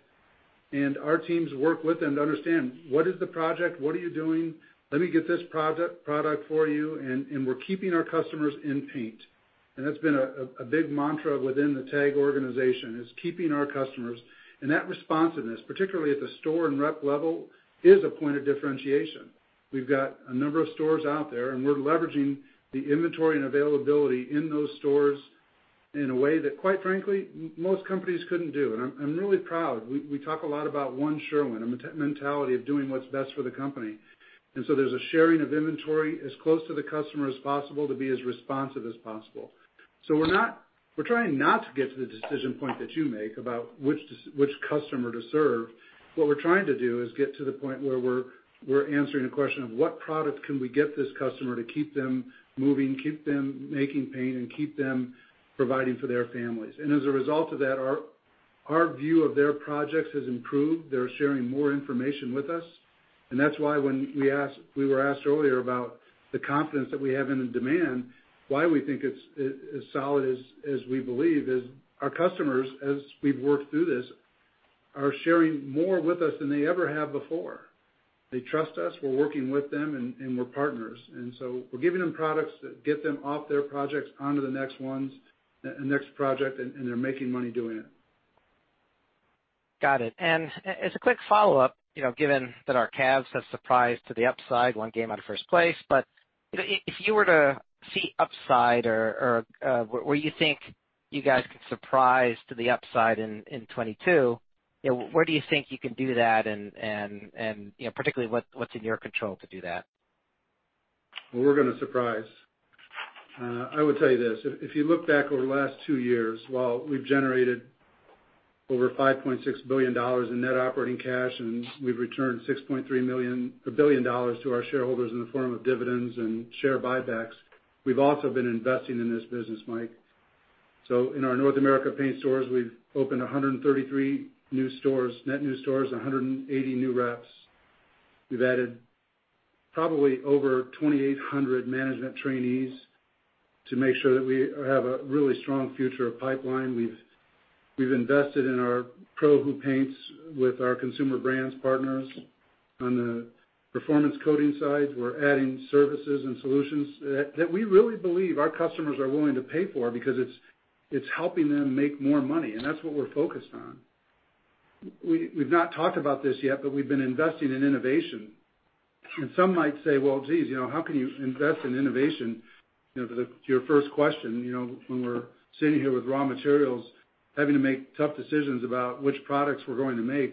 and our teams work with them to understand what is the project, what are you doing, let me get this product for you, and we're keeping our customers in paint. That's been a big mantra within the TAG organization, keeping our customers. That responsiveness, particularly at the store and rep level, is a point of differentiation. We've got a number of stores out there, and we're leveraging the inventory and availability in those stores in a way that, quite frankly, most companies couldn't do. I'm really proud. We talk a lot about one Sherwin and the team mentality of doing what's best for the company. There's a sharing of inventory as close to the customer as possible to be as responsive as possible. We're trying not to get to the decision point that you make about which customer to serve. What we're trying to do is get to the point where we're answering a question of what product can we get this customer to keep them moving, keep them making paint, and keep them providing for their families. As a result of that, our view of their projects has improved. They're sharing more information with us. That's why when we were asked earlier about the confidence that we have in the demand, why we think it's as solid as we believe is our customers, as we've worked through this, are sharing more with us than they ever have before. They trust us, we're working with them, and we're partners. We're giving them products that get them off their projects onto the next ones, next project, and they're making money doing it. Got it. As a quick follow-up, you know, given that our Cavs have surprised to the upside, one game out of first place, but, you know, if you were to see upside or where you think you guys can surprise to the upside in 2022, you know, where do you think you can do that and, you know, particularly what's in your control to do that? Well, we're gonna surprise. I would tell you this, if you look back over the last two years, while we've generated over $5.6 billion in net operating cash and we've returned $6.3 billion to our shareholders in the form of dividends and share buybacks, we've also been investing in this business, Mike. In our North America Paint Stores, we've opened 133 new stores, net new stores, 180 new reps. We've added probably over 2,800 management trainees to make sure that we have a really strong future pipeline. We've invested in our Pros Who Paint with our Consumer Brands partners. On the performance coating side, we're adding services and solutions that we really believe our customers are willing to pay for because it's helping them make more money, and that's what we're focused on. We've not talked about this yet, but we've been investing in innovation. Some might say, "Well, geez, you know, how can you invest in innovation?" You know, to the, to your first question, you know, when we're sitting here with raw materials, having to make tough decisions about which products we're going to make,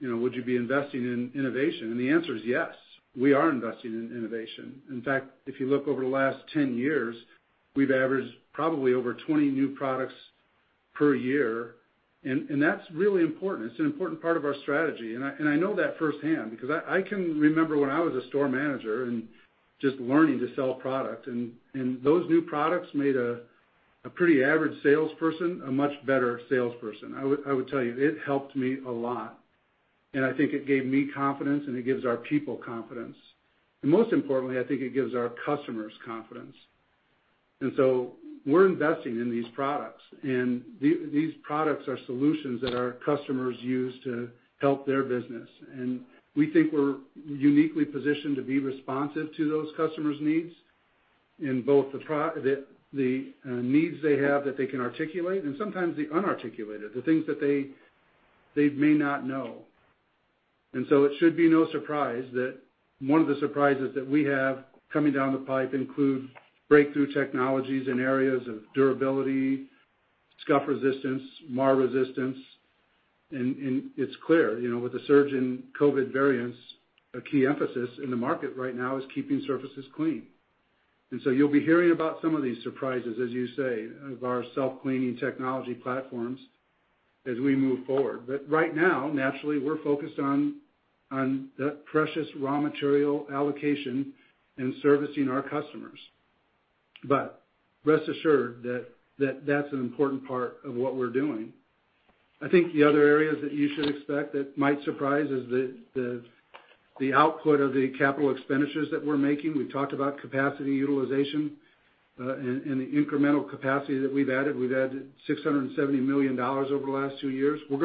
you know, would you be investing in innovation? The answer is yes, we are investing in innovation. In fact, if you look over the last 10 years, we've averaged probably over 20 new products per year, and that's really important. It's an important part of our strategy. I know that firsthand because I can remember when I was a store manager and just learning to sell product, and those new products made a pretty average salesperson a much better salesperson. I would tell you it helped me a lot. I think it gave me confidence, and it gives our people confidence. Most importantly, I think it gives our customers confidence. We're investing in these products, and these products are solutions that our customers use to help their business. We think we're uniquely positioned to be responsive to those customers' needs in both the needs they have that they can articulate, and sometimes the unarticulated, the things that they may not know. It should be no surprise that one of the surprises that we have coming down the pipe includes breakthrough technologies in areas of durability, scuff resistance, mar resistance. It's clear, you know, with the surge in COVID variants, a key emphasis in the market right now is keeping surfaces clean. You'll be hearing about some of these surprises, as you say, of our self-cleaning technology platforms as we move forward. But right now, naturally, we're focused on that precious raw material allocation and servicing our customers. But rest assured that that's an important part of what we're doing. I think the other areas that you should expect that might surprise is the output of the capital expenditures that we're making. We talked about capacity utilization and the incremental capacity that we've added. We've added $670 million over the last two years. We're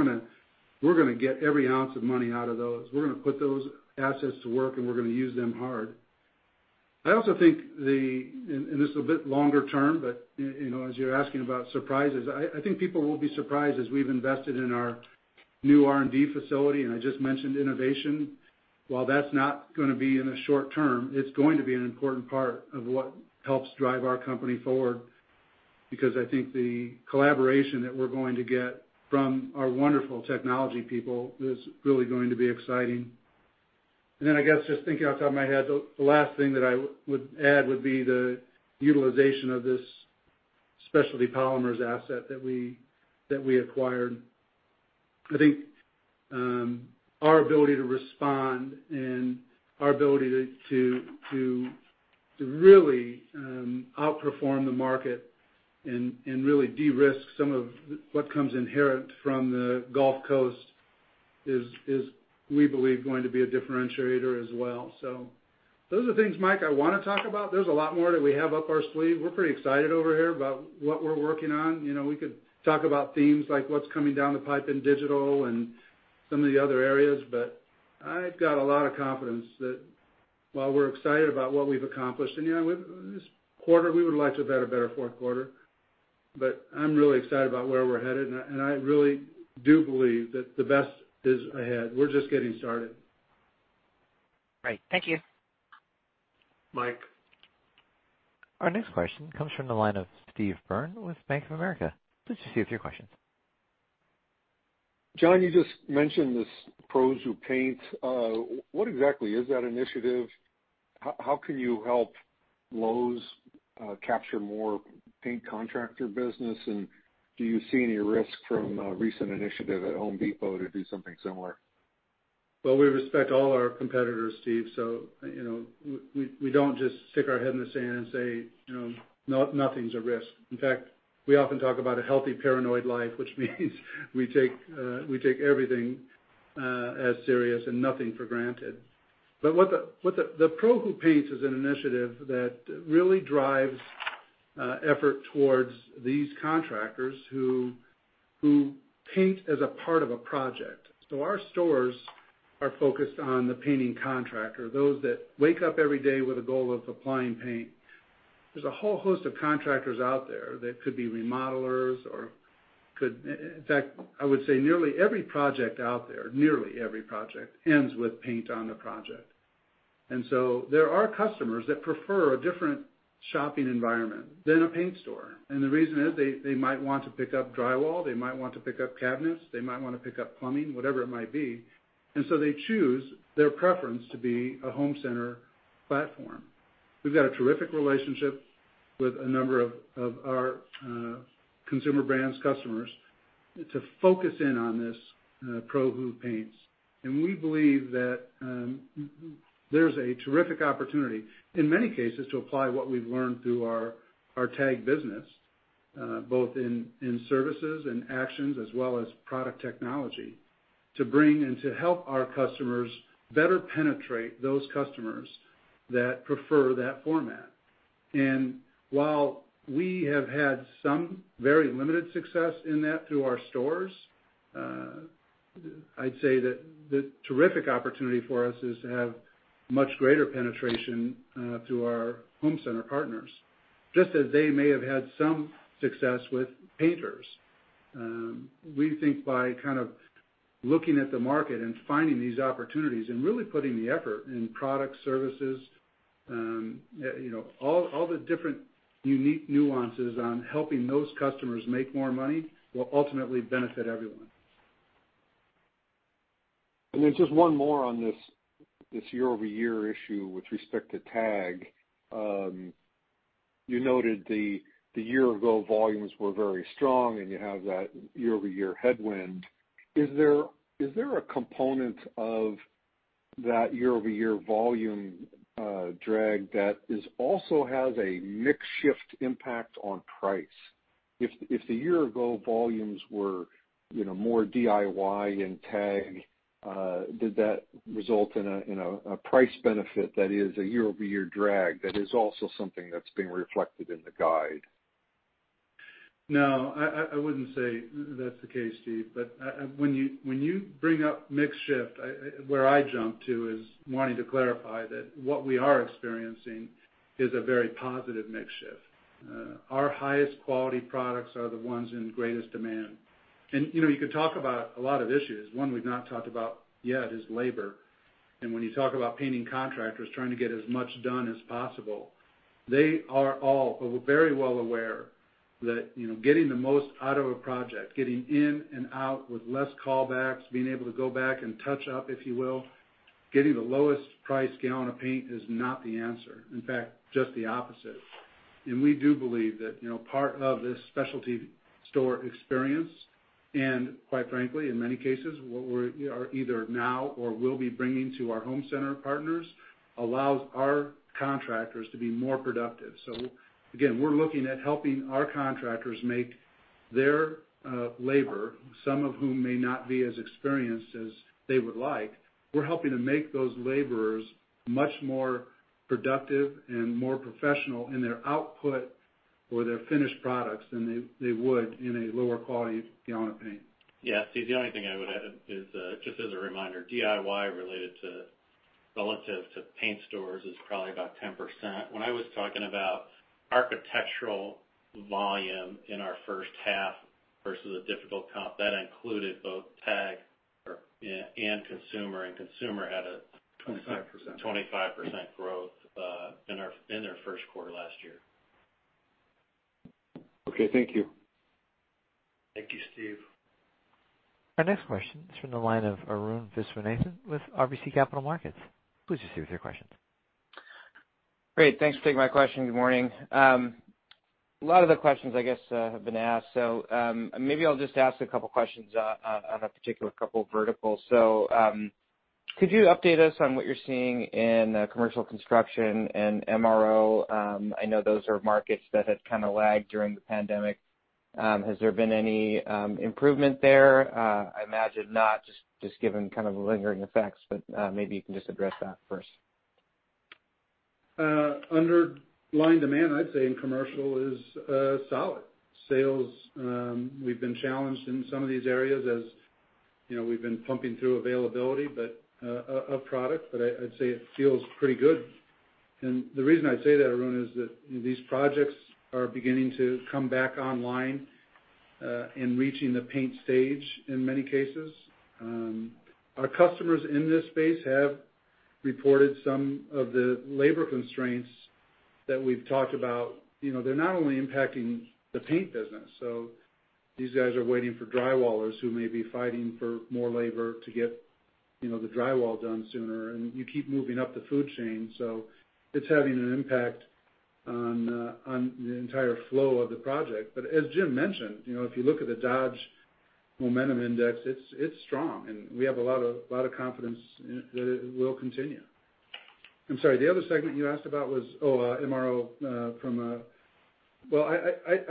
gonna get every ounce of money out of those. We're gonna put those assets to work, and we're gonna use them hard. I also think, and this is a bit longer term, but you know, as you're asking about surprises, I think people will be surprised as we've invested in our new R&D facility, and I just mentioned innovation. While that's not gonna be in the short term, it's going to be an important part of what helps drive our company forward because I think the collaboration that we're going to get from our wonderful technology people is really going to be exciting. Then I guess, just thinking off the top of my head, the last thing that I would add would be the utilization of this Specialty Polymers asset that we acquired. I think, our ability to respond and our ability to really outperform the market and really de-risk some of what comes inherent from the Gulf Coast is, we believe, going to be a differentiator as well. Those are things, Mike, I wanna talk about. There's a lot more that we have up our sleeve. We're pretty excited over here about what we're working on. You know, we could talk about themes like what's coming down the pipe in digital and some of the other areas. I've got a lot of confidence that while we're excited about what we've accomplished, and, you know, this quarter, we would have liked to have had a better fourth quarter, but I'm really excited about where we're headed, and I really do believe that the best is ahead. We're just getting started. Great. Thank you. Mike. Our next question comes from the line of Steve Byrne with Bank of America. Steve, your question. John, you just mentioned this Pros Who Paint. What exactly is that initiative? How can you help Lowe's capture more paint contractor business? Do you see any risk from a recent initiative at Home Depot to do something similar? We respect all our competitors, Steve, so you know, we don't just stick our head in the sand and say, you know, nothing's a risk. In fact, we often talk about a healthy paranoid life, which means we take everything as serious and nothing for granted. The Pros Who Paint is an initiative that really drives effort towards these contractors who paint as a part of a project. Our stores are focused on the painting contractor, those that wake up every day with a goal of applying paint. There's a whole host of contractors out there that could be remodelers. In fact, I would say nearly every project out there ends with paint on the project. There are customers that prefer a different shopping environment than a paint store, and the reason is they might want to pick up drywall, they might want to pick up cabinets, they might wanna pick up plumbing, whatever it might be. They choose their preference to be a home center platform. We've got a terrific relationship with a number of our Consumer Brands customers to focus in on this, Pros Who Paint. We believe that there's a terrific opportunity, in many cases, to apply what we've learned through our TAG business, both in services and actions as well as product technology, to bring and to help our customers better penetrate those customers that prefer that format. While we have had some very limited success in that through our stores, I'd say that the terrific opportunity for us is to have much greater penetration through our home center partners, just as they may have had some success with painters. We think by kind of looking at the market and finding these opportunities and really putting the effort in product, services, you know, all the different unique nuances on helping those customers make more money will ultimately benefit everyone. Then just one more on this year-over-year issue with respect to TAG. You noted the year-ago volumes were very strong, and you have that year-over-year headwind. Is there a component of that year-over-year volume drag that also has a mix shift impact on price. If the year-ago volumes were, you know, more DIY and TAG, did that result in a price benefit that is a year-over-year drag that is also something that's being reflected in the guide? No, I wouldn't say that's the case, Steve. When you bring up mix shift, where I jump to is wanting to clarify that what we are experiencing is a very positive mix shift. Our highest quality products are the ones in greatest demand. You know, you could talk about a lot of issues. One we've not talked about yet is labor. When you talk about painting contractors trying to get as much done as possible, they are all very well aware that, you know, getting the most out of a project, getting in and out with less callbacks, being able to go back and touch up, if you will, getting the lowest price gallon of paint is not the answer. In fact, just the opposite. We do believe that, you know, part of this specialty store experience, and quite frankly, in many cases, what we're either now or will be bringing to our home center partners, allows our contractors to be more productive. Again, we're looking at helping our contractors make their labor, some of whom may not be as experienced as they would like. We're helping to make those laborers much more productive and more professional in their output or their finished products than they would in a lower quality gallon of paint. Yeah. Steve, the only thing I would add is just as a reminder, DIY relative to paint stores is probably about 10%. When I was talking about architectural volume in our first half versus a difficult comp, that included both TAG and consumer, and consumer had a 25% 25% growth in their first quarter last year. Okay. Thank you. Thank you, Steve. Our next question is from the line of Arun Viswanathan with RBC Capital Markets. Please proceed with your questions. Great. Thanks for taking my question. Good morning. A lot of the questions I guess have been asked, so maybe I'll just ask a couple questions on a particular couple of verticals. Could you update us on what you're seeing in commercial construction and MRO? I know those are markets that had kinda lagged during the pandemic. Has there been any improvement there? I imagine not, just given kind of lingering effects, but maybe you can just address that first. Underlying demand, I'd say in commercial is solid. Sales, we've been challenged in some of these areas, as you know, we've been pumping through availability but of product. I'd say it feels pretty good. The reason I say that, Arun, is that these projects are beginning to come back online and reaching the paint stage in many cases. Our customers in this space have reported some of the labor constraints that we've talked about. You know, they're not only impacting the paint business. These guys are waiting for drywallers who may be fighting for more labor to get, you know, the drywall done sooner, and you keep moving up the food chain. It's having an impact on the entire flow of the project. As Jim mentioned, you know, if you look at the Dodge Momentum Index, it's strong, and we have a lot of confidence that it will continue. I'm sorry, the other segment you asked about was MRO. Well,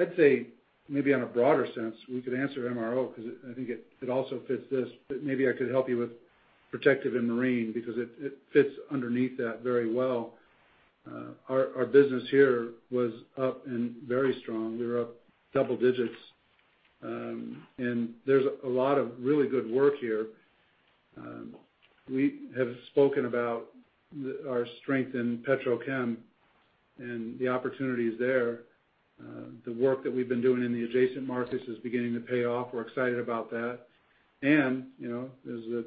I'd say maybe on a broader sense, we could answer MRO because I think it also fits this. Maybe I could help you with Protective & Marine because it fits underneath that very well. Our business here was up and very strong. We were up double digits, and there's a lot of really good work here. We have spoken about our strength in petrochem and the opportunities there. The work that we've been doing in the adjacent markets is beginning to pay off. We're excited about that. You know, as the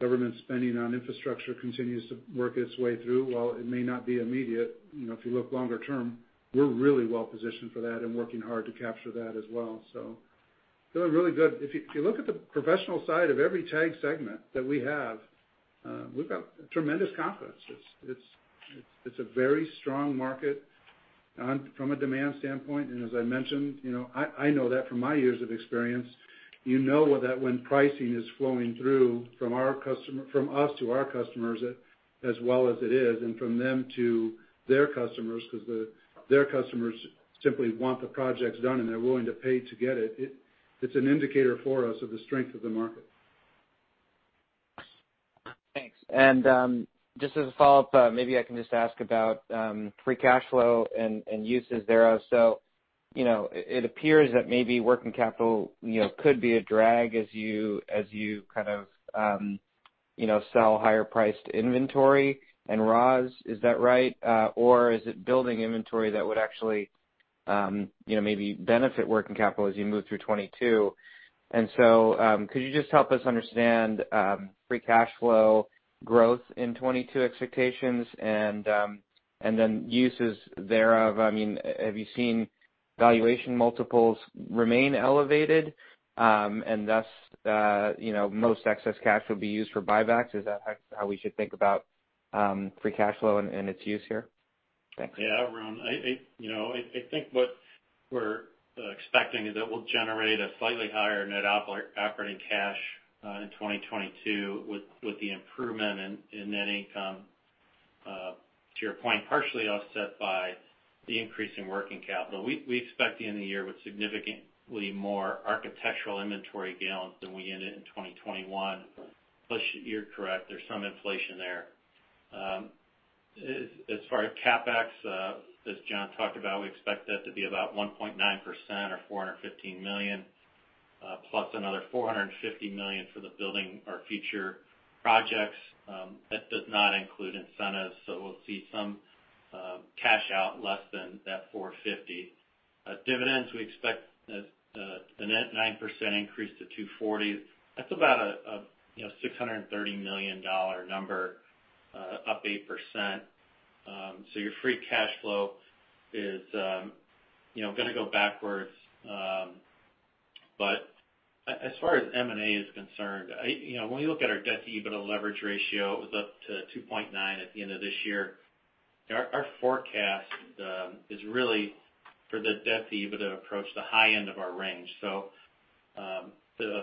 government spending on infrastructure continues to work its way through, while it may not be immediate, you know, if you look longer term, we're really well positioned for that and working hard to capture that as well. Doing really good. If you look at the professional side of every TAG segment that we have, we've got tremendous confidence. It's a very strong market from a demand standpoint. As I mentioned, you know, I know that from my years of experience, you know that when pricing is flowing through from us to our customers as well as it is, and from them to their customers, because their customers simply want the projects done and they're willing to pay to get it's an indicator for us of the strength of the market. Thanks. Just as a follow-up, maybe I can just ask about free cash flow and uses thereof. You know, it appears that maybe working capital, you know, could be a drag as you kind of sell higher priced inventory and raws, is that right? Or is it building inventory that would actually, you know, maybe benefit working capital as you move through 2022? Could you just help us understand free cash flow growth in 2022 expectations and then uses thereof? I mean, have you seen valuation multiples remain elevated and thus, you know, most excess cash will be used for buybacks? Is that how we should think about free cash flow and its use here? Yeah, Arun, you know, I think what we're expecting is that we'll generate a slightly higher net operating cash in 2022 with the improvement in net income to your point, partially offset by the increase in working capital. We expect to end the year with significantly more architectural inventory gallons than we ended in 2021. Plus, you're correct, there's some inflation there. As far as CapEx, as John talked about, we expect that to be about 1.9% or $415 million, plus another $450 million for the Building Our Future projects, that does not include incentives. So we'll see some cash out less than that $450 million. Dividends, we expect the net 9% increase to $2.40. That's about a you know, $630 million number, up 8%. Your free cash flow is, you know, gonna go backwards. As far as M&A is concerned, you know, when you look at our debt-to-EBITDA leverage ratio, it was up to 2.9 at the end of this year. Our forecast is really for the debt-to-EBITDA to approach the high end of our range. The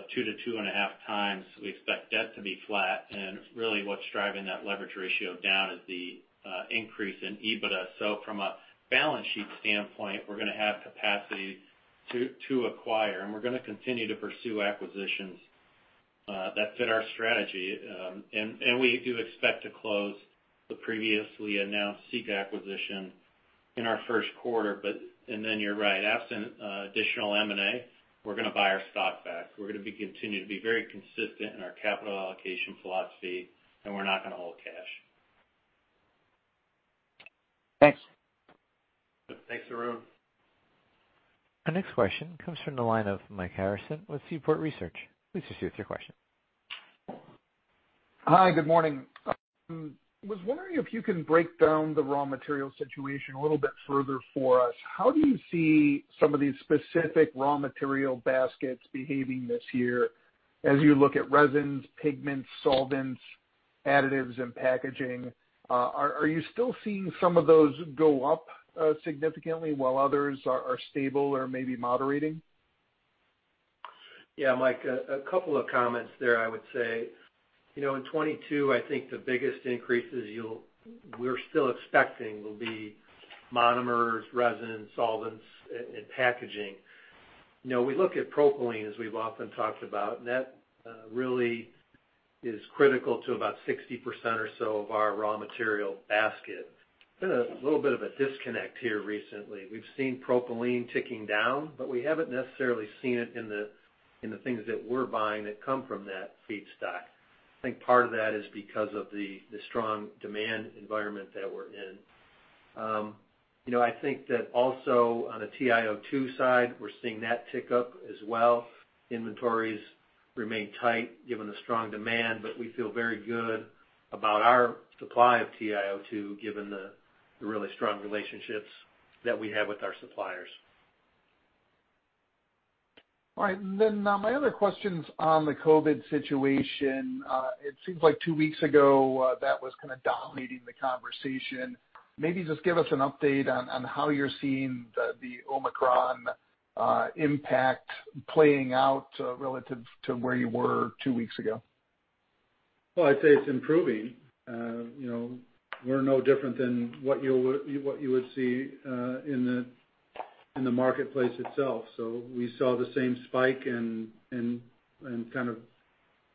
2-2.5 times, we expect debt to be flat, and really what's driving that leverage ratio down is the increase in EBITDA. From a balance sheet standpoint, we're gonna have capacity to acquire, and we're gonna continue to pursue acquisitions that fit our strategy. We do expect to close the previously announced Sika acquisition in our first quarter. You're right, absent additional M&A, we're gonna buy our stock back. We're gonna continue to be very consistent in our capital allocation philosophy, and we're not gonna hold cash. Thanks. Thanks, Arun. Our next question comes from the line of Mike Harrison with Seaport Research Partners. Please proceed with your question. Hi, good morning. I was wondering if you can break down the raw material situation a little bit further for us. How do you see some of these specific raw material baskets behaving this year as you look at resins, pigments, solvents, additives and packaging? Are you still seeing some of those go up significantly while others are stable or maybe moderating? Yeah, Mike, couple of comments there, I would say. You know, in 2022, I think the biggest increases we're still expecting will be monomers, resins, solvents and packaging. You know, we look at propylene, as we've often talked about, and that really is critical to about 60% or so of our raw material basket. Been a little bit of a disconnect here recently. We've seen propylene ticking down, but we haven't necessarily seen it in the things that we're buying that come from that feedstock. I think part of that is because of the strong demand environment that we're in. You know, I think that also on a TiO2 side, we're seeing that tick up as well. Inventories remain tight given the strong demand, but we feel very good about our supply of TiO2, given the really strong relationships that we have with our suppliers. All right. My other question's on the COVID situation. It seems like two weeks ago, that was kind of dominating the conversation. Maybe just give us an update on how you're seeing the Omicron impact playing out, relative to where you were two weeks ago. Well, I'd say it's improving. You know, we're no different than what you would see in the marketplace itself. We saw the same spike and kind of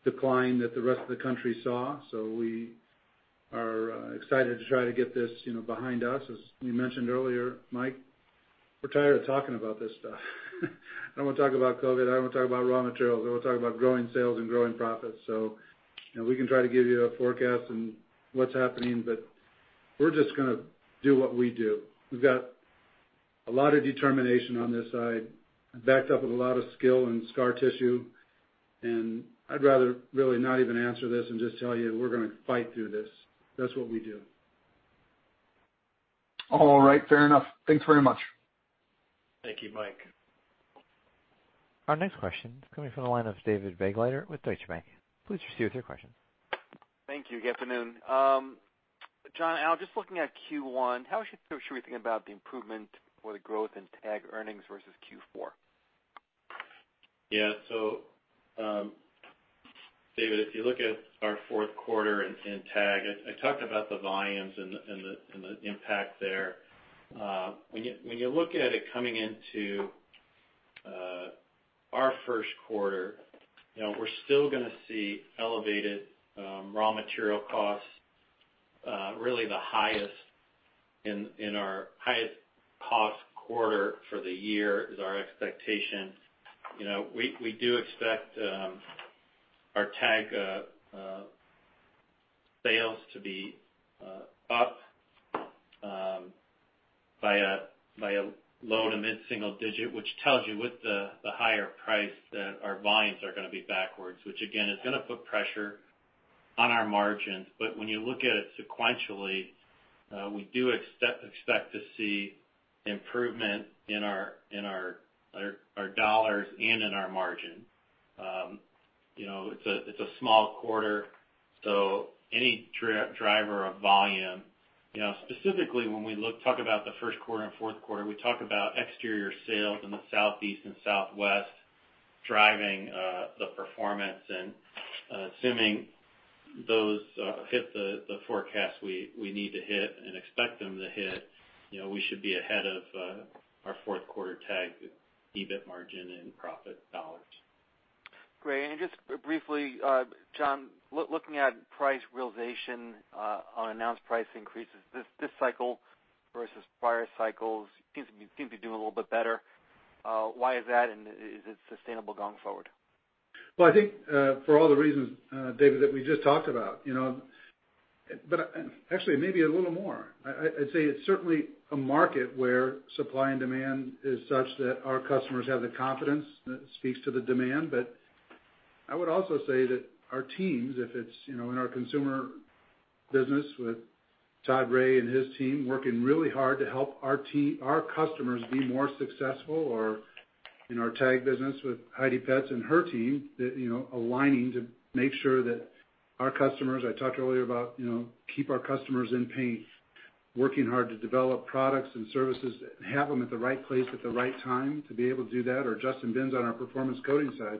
decline that the rest of the country saw. We are excited to try to get this you know behind us. As we mentioned earlier, Mike, we're tired of talking about this stuff. I don't wanna talk about COVID. I don't wanna talk about raw materials. I wanna talk about growing sales and growing profits. You know, we can try to give you a forecast on what's happening, but we're just gonna do what we do. We've got a lot of determination on this side, backed up with a lot of skill and scar tissue, and I'd rather really not even answer this and just tell you we're gonna fight through this. That's what we do. All right, fair enough. Thanks very much. Thank you, Mike. Our next question is coming from the line of David Begleiter with Deutsche Bank. Please proceed with your question. Thank you. Good afternoon. John, Al, just looking at Q1, how should we think about the improvement for the growth in TAG earnings versus Q4? Yeah. David, if you look at our fourth quarter in TAG, I talked about the volumes and the impact there. When you look at it coming into our first quarter, you know, we're still gonna see elevated raw material costs. Really the highest in our highest cost quarter for the year is our expectation. You know, we do expect our TAG sales to be up by a low- to mid-single-digit, which tells you with the higher price that our volumes are gonna be backwards, which again, is gonna put pressure on our margins. But when you look at it sequentially, we do expect to see improvement in our dollars and in our margin. You know, it's a small quarter. Any driver of volume, you know, specifically when we talk about the first quarter and fourth quarter, we talk about exterior sales in the Southeast and Southwest driving the performance. Assuming those hit the forecast we need to hit and expect them to hit, you know, we should be ahead of our fourth quarter TAG EBIT margin and profit dollars. Great. Just briefly, John, looking at price realization on announced price increases this cycle versus prior cycles, you seem to be doing a little bit better. Why is that? Is it sustainable going forward? Well, I think for all the reasons, David, that we just talked about, you know. Actually maybe a little more. I'd say it's certainly a market where supply and demand is such that our customers have the confidence that speaks to the demand. I would also say that our teams, you know, in our consumer business with Todd Rohl and his team working really hard to help our customers be more successful or in our TAG business with Heide Petz and her team that, you know, aligning to make sure that our customers, I talked earlier about, you know, keep our customers in paint, working hard to develop products and services, have them at the right place at the right time to be able to do that. Or Justin Binn on our performance coatings side.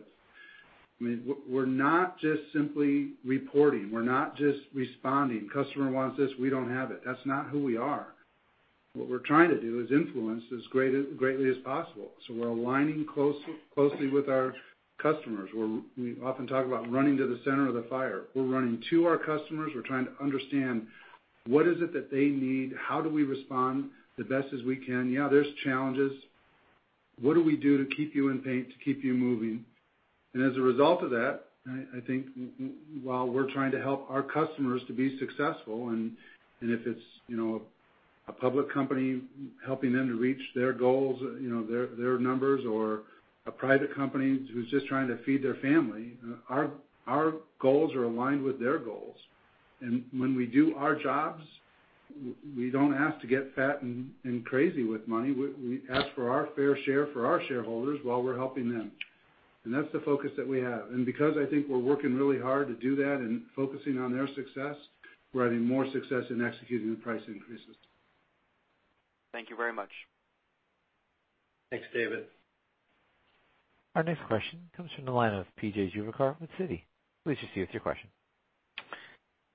I mean, we're not just simply reporting. We're not just responding. Customer wants this, we don't have it. That's not who we are. What we're trying to do is influence as greatly as possible. We're aligning closely with our customers. We often talk about running to the center of the fire. We're running to our customers. We're trying to understand what is it that they need? How do we respond the best as we can? Yeah, there's challenges. What do we do to keep you in paint, to keep you moving? As a result of that, I think while we're trying to help our customers to be successful, and if it's, you know, a public company helping them to reach their goals, you know, their numbers or a private company who's just trying to feed their family, our goals are aligned with their goals. When we do our jobs, we don't ask to get fat and crazy with money. We ask for our fair share for our shareholders while we're helping them. That's the focus that we have. Because I think we're working really hard to do that and focusing on their success, we're having more success in executing the price increases. Thank you very much. Thanks, David. Our next question comes from the line of P.J. Juvekar with Citi. Please proceed with your question.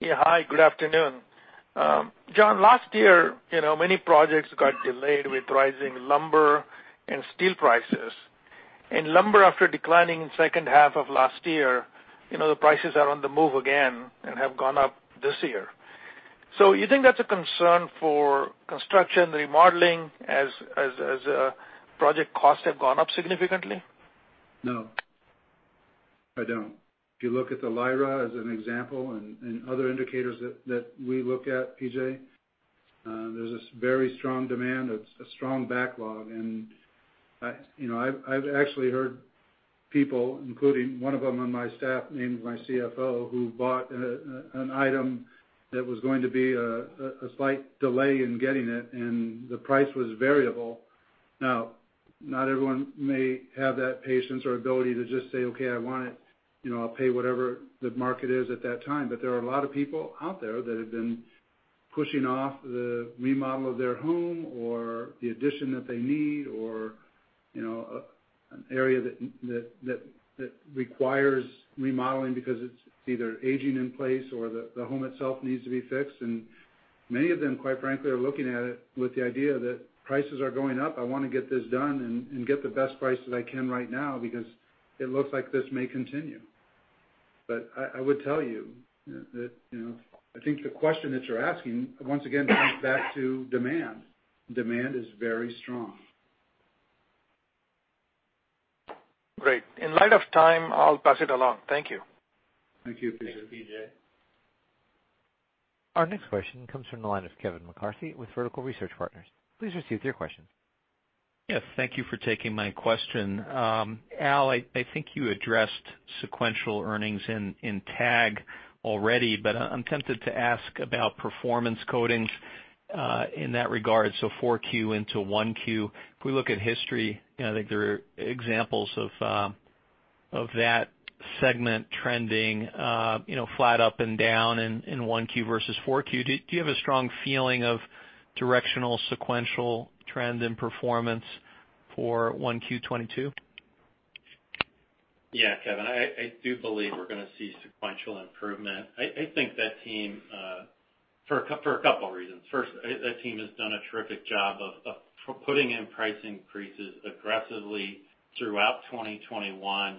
Yeah. Hi, good afternoon. John, last year, you know, many projects got delayed with rising lumber and steel prices. Lumber after declining in second half of last year, you know, the prices are on the move again and have gone up this year. You think that's a concern for construction remodeling as project costs have gone up significantly? No. I don't. If you look at the LIRA as an example and other indicators that we look at, PJ, there's this very strong demand, a strong backlog. I, you know, I've actually heard people, including one of them on my staff, named my CFO, who bought an item that was going to be a slight delay in getting it, and the price was variable. Now, not everyone may have that patience or ability to just say, "Okay, I want it. You know, I'll pay whatever the market is at that time. There are a lot of people out there that have been pushing off the remodel of their home or the addition that they need, or, you know, an area that requires remodeling because it's either aging in place or the home itself needs to be fixed. Many of them, quite frankly, are looking at it with the idea that prices are going up. I want to get this done and get the best price that I can right now because it looks like this may continue. I would tell you that, you know, I think the question that you're asking, once again, comes back to demand. Demand is very strong. Great. In light of time, I'll pass it along. Thank you. Thank you, PJ. Thanks, PJ. Our next question comes from the line of Kevin McCarthy with Vertical Research Partners. Please proceed with your question. Yes. Thank you for taking my question. Al, I think you addressed sequential earnings in TAG already, but I'm tempted to ask about Performance Coatings in that regard. Q4 into Q1. If we look at history, you know, I think there are examples of that segment trending, you know, flat up and down in Q1 versus Q4. Do you have a strong feeling of directional sequential trend and performance for Q1 2022? Yeah, Kevin, I do believe we're gonna see sequential improvement. I think that team for a couple reasons. First, that team has done a terrific job of putting in price increases aggressively throughout 2021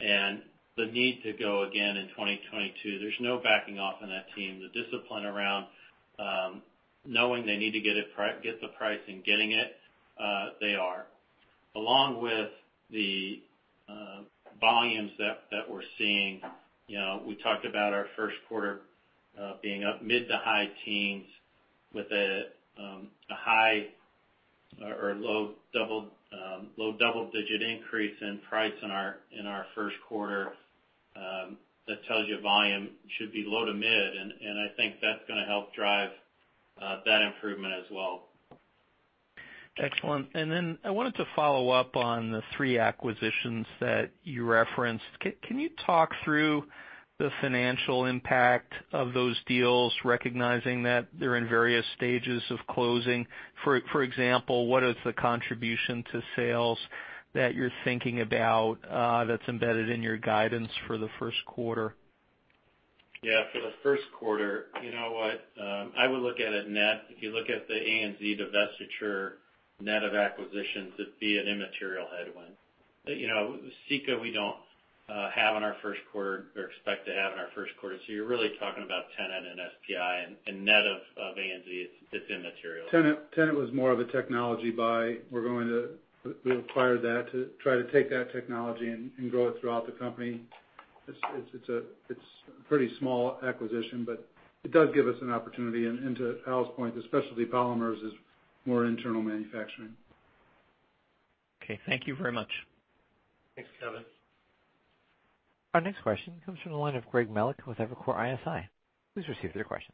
and the need to go again in 2022. There's no backing off on that team. The discipline around knowing they need to get the price and getting it, they are. Along with the volumes we're seeing, we talked about our first quarter being up mid- to high-teens% with a low double-digit% increase in price in our first quarter. That tells you volume should be low to mid, and I think that's gonna help drive that improvement as well. Excellent. I wanted to follow up on the three acquisitions that you referenced. Can you talk through the financial impact of those deals, recognizing that they're in various stages of closing? For example, what is the contribution to sales that you're thinking about that's embedded in your guidance for the first quarter? Yeah, for the first quarter, you know what, I would look at it net. If you look at the ANZ divestiture net of acquisitions, it'd be an immaterial headwind. You know, Sika we don't have in our first quarter or expect to have in our first quarter, so you're really talking about Tennant and SPI and net of ANZ, it's immaterial. Tennant was more of a technology buy. We acquired that to try to take that technology and grow it throughout the company. It's a pretty small acquisition, but it does give us an opportunity. To Al's point, the Specialty Polymers is more internal manufacturing. Okay. Thank you very much. Thanks, Kevin. Our next question comes from the line of Greg Melich with Evercore ISI. Please proceed with your question.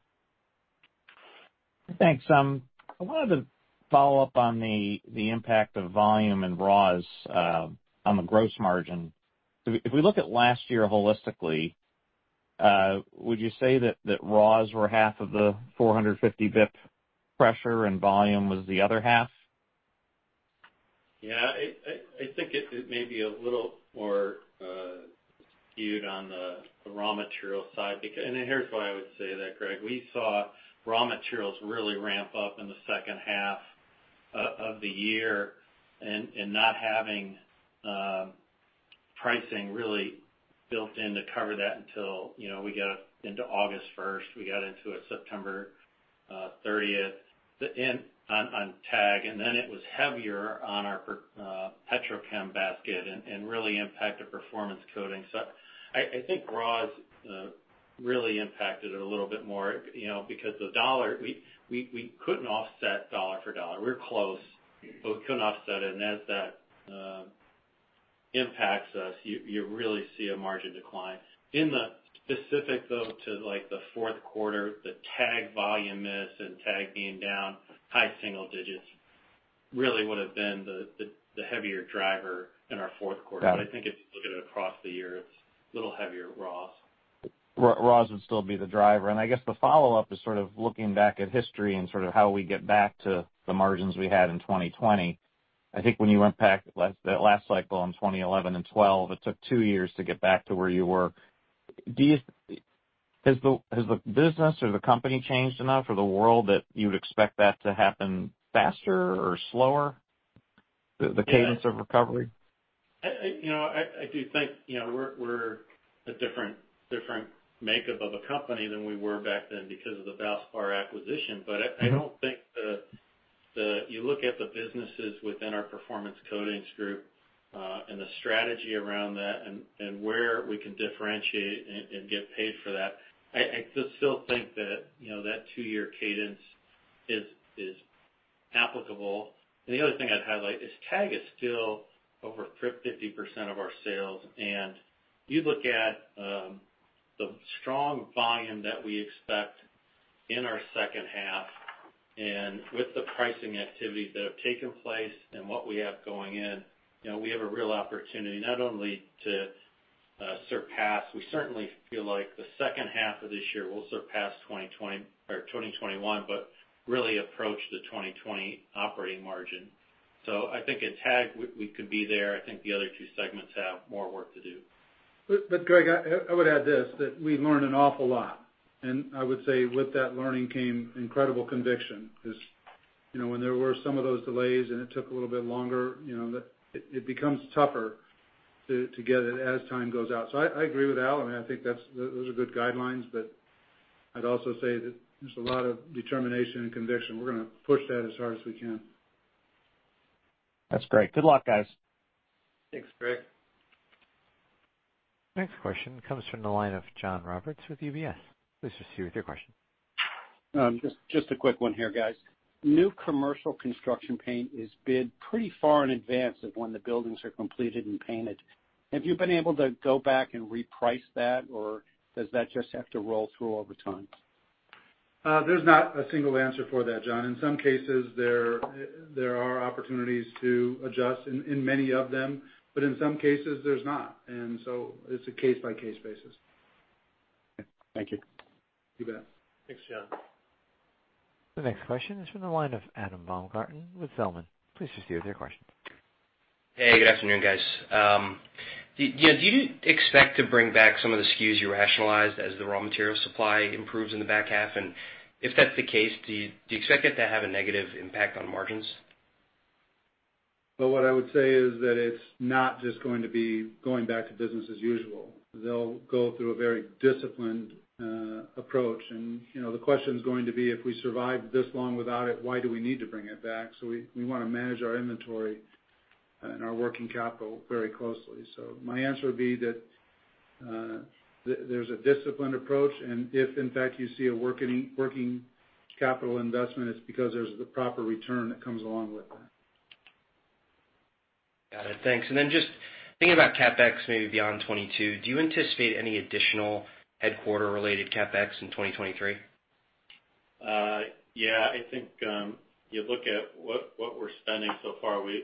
Thanks. I wanted to follow up on the impact of volume and raws on the gross margin. If we look at last year holistically, would you say that raws were half of the 450 basis points pressure and volume was the other half? I think it may be a little more skewed on the raw material side. Here's why I would say that, Greg. We saw raw materials really ramp up in the second half of the year, and not having pricing really built in to cover that until, you know, we got into August 1st, we got into it September 30th, the end on TAG, and then it was heavier on our petrochem basket and really impacted Performance Coatings. I think raw has really impacted it a little bit more, you know, because the dollar we couldn't offset dollar for dollar. We were close, but we couldn't offset it. As that impacts us, you really see a margin decline. In the specific, though, to like the fourth quarter, the TAG volume miss and TAG being down high single digits really would have been the heavier driver in our fourth quarter. Got it. I think if you look at it across the year, it's a little heavier raws. Raws would still be the driver. I guess the follow-up is sort of looking back at history and sort of how we get back to the margins we had in 2020. I think when you went back last, that last cycle in 2011 and 2012, it took two years to get back to where you were. Has the business or the company changed enough or the world that you would expect that to happen faster or slower, the cadence of recovery? Yeah. I do think, you know, we're a different makeup of a company than we were back then because of the Valspar acquisition. I don't think the. You look at the businesses within our Performance Coatings Group, and the strategy around that and where we can differentiate and get paid for that. I just still think that, you know, that two-year cadence is applicable. The other thing I'd highlight is TAG is still over 50% of our sales. You look at the strong volume that we expect in our second half, and with the pricing activities that have taken place and what we have going in, you know, we have a real opportunity not only to surpass. We certainly feel like the second half of this year will surpass 2020 or 2021, but really approach the 2020 operating margin. I think at TAG, we could be there. I think the other two segments have more work to do. Greg, I would add this, that we learned an awful lot. I would say with that learning came incredible conviction. 'Cause, you know, when there were some of those delays, and it took a little bit longer, you know, that it becomes tougher to get it as time goes out. I agree with Al, and I think that those are good guidelines. I'd also say that there's a lot of determination and conviction. We're gonna push that as hard as we can. That's great. Good luck, guys. Thanks, Greg. Next question comes from the line of John Roberts with UBS. Please proceed with your question. Just a quick one here, guys. New commercial construction paint is bid pretty far in advance of when the buildings are completed and painted. Have you been able to go back and reprice that, or does that just have to roll through over time? There's not a single answer for that, John. In some cases there are opportunities to adjust in many of them, but in some cases there's not. It's a case-by-case basis. Okay. Thank you. You bet. Thanks, John. The next question is from the line of Adam Baumgarten with Zelman. Please proceed with your question. Hey, good afternoon, guys. You know, do you expect to bring back some of the SKUs you rationalized as the raw material supply improves in the back half? If that's the case, do you expect that to have a negative impact on margins? Well, what I would say is that it's not just going to be going back to business as usual. They'll go through a very disciplined approach. You know, the question's going to be, if we survived this long without it, why do we need to bring it back? We wanna manage our inventory and our working capital very closely. My answer would be that there's a disciplined approach, and if in fact you see a working capital investment, it's because there's the proper return that comes along with that. Got it. Thanks. Just thinking about CapEx maybe beyond 2022, do you anticipate any additional headquarters-related CapEx in 2023? Yeah, I think you look at what we're spending so far. We're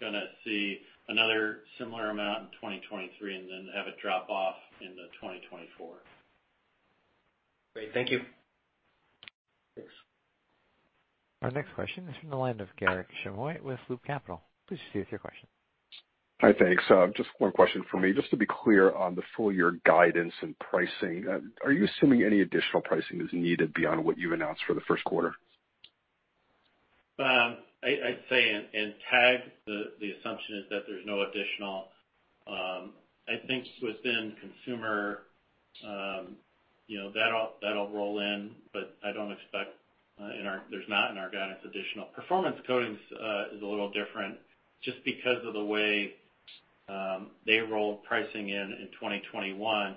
gonna see another similar amount in 2023, and then have it drop off into 2024. Great. Thank you. Thanks. Our next question is from the line of Garik Shmois with Loop Capital. Please proceed with your question. Hi. Thanks. Just one question for me. Just to be clear on the full year guidance and pricing, are you assuming any additional pricing is needed beyond what you've announced for the first quarter? I'd say in TAG the assumption is that there's no additional. I think within consumer, you know, that'll roll in, but I don't expect. There's no additional in our guidance. Performance Coatings is a little different just because of the way they roll pricing in 2021.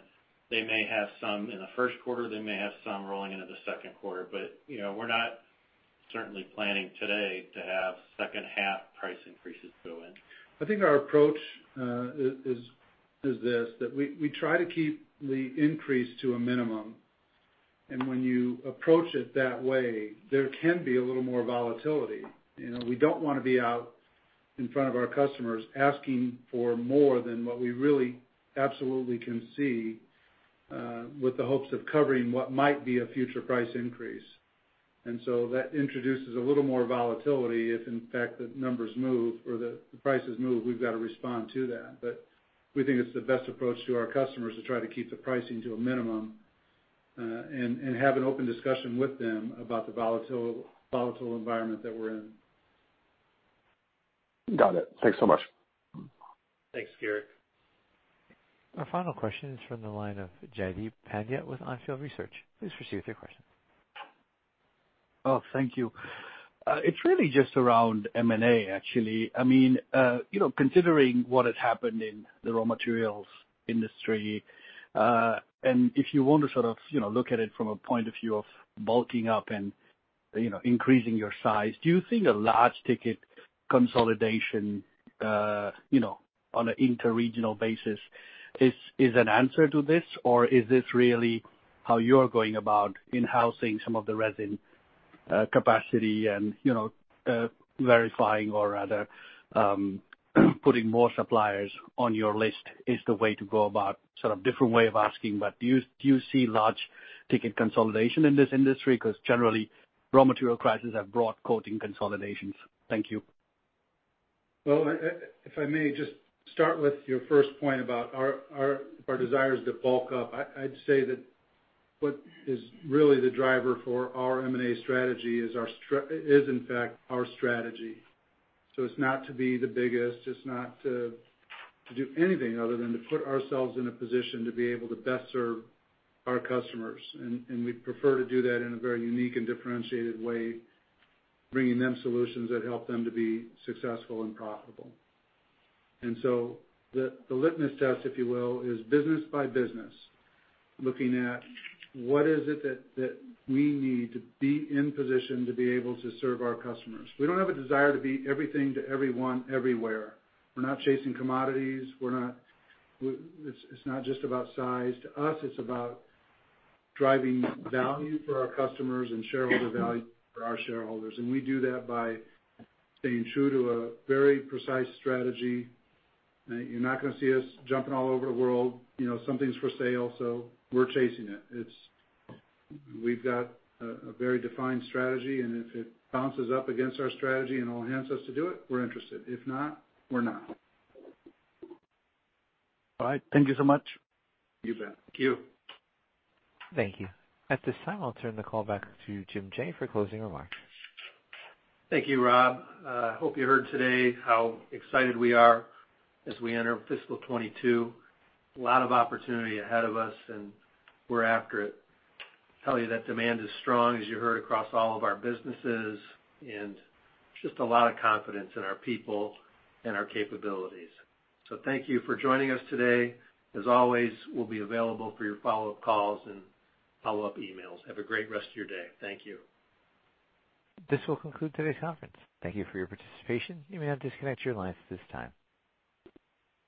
They may have some in the first quarter, they may have some rolling into the second quarter. You know, we're certainly not planning today to have second half price increases go in. I think our approach is this, that we try to keep the increase to a minimum. When you approach it that way, there can be a little more volatility. You know, we don't wanna be out in front of our customers asking for more than what we really absolutely can see with the hopes of covering what might be a future price increase. That introduces a little more volatility. If in fact the numbers move or the prices move, we've gotta respond to that. We think it's the best approach to our customers to try to keep the pricing to a minimum and have an open discussion with them about the volatile environment that we're in. Got it. Thanks so much. Thanks, Garik. Our final question is from the line of Jaideep Pandya with On Field Research. Please proceed with your question. Oh, thank you. It's really just around M&A actually. I mean, you know, considering what has happened in the raw materials industry, and if you want to sort of, you know, look at it from a point of view of bulking up and, you know, increasing your size, do you think a large ticket consolidation, you know, on an interregional basis is an answer to this? Or is this really how you are going about in-housing some of the resin capacity and, you know, verifying or rather putting more suppliers on your list is the way to go about. Sort of different way of asking, but do you see large ticket consolidation in this industry? 'Cause generally, raw material crisis have brought coating consolidations. Thank you. Well, if I may just start with your first point about our desire is to bulk up. I'd say that what is really the driver for our M&A strategy is in fact our strategy. It's not to be the biggest. It's not to do anything other than to put ourselves in a position to be able to best serve our customers. We'd prefer to do that in a very unique and differentiated way, bringing them solutions that help them to be successful and profitable. The litmus test, if you will, is business by business, looking at what is it that we need to be in position to be able to serve our customers. We don't have a desire to be everything to everyone everywhere. We're not chasing commodities. We're not... It's not just about size. To us, it's about driving value for our customers and shareholder value for our shareholders, and we do that by staying true to a very precise strategy. You're not gonna see us jumping all over the world. You know, something's for sale, so we're chasing it. We've got a very defined strategy, and if it bounces up against our strategy and it enables us to do it, we're interested. If not, we're not. All right. Thank you so much. You bet. Thank you. Thank you. At this time, I'll turn the call back to Jim Jaye for closing remarks. Thank you, Rob. Hope you heard today how excited we are as we enter fiscal 2022. A lot of opportunity ahead of us, and we're after it. Tell you that demand is strong, as you heard, across all of our businesses, and just a lot of confidence in our people and our capabilities. Thank you for joining us today. As always, we'll be available for your follow-up calls and follow-up emails. Have a great rest of your day. Thank you. This will conclude today's conference. Thank you for your participation. You may now disconnect your lines at this time.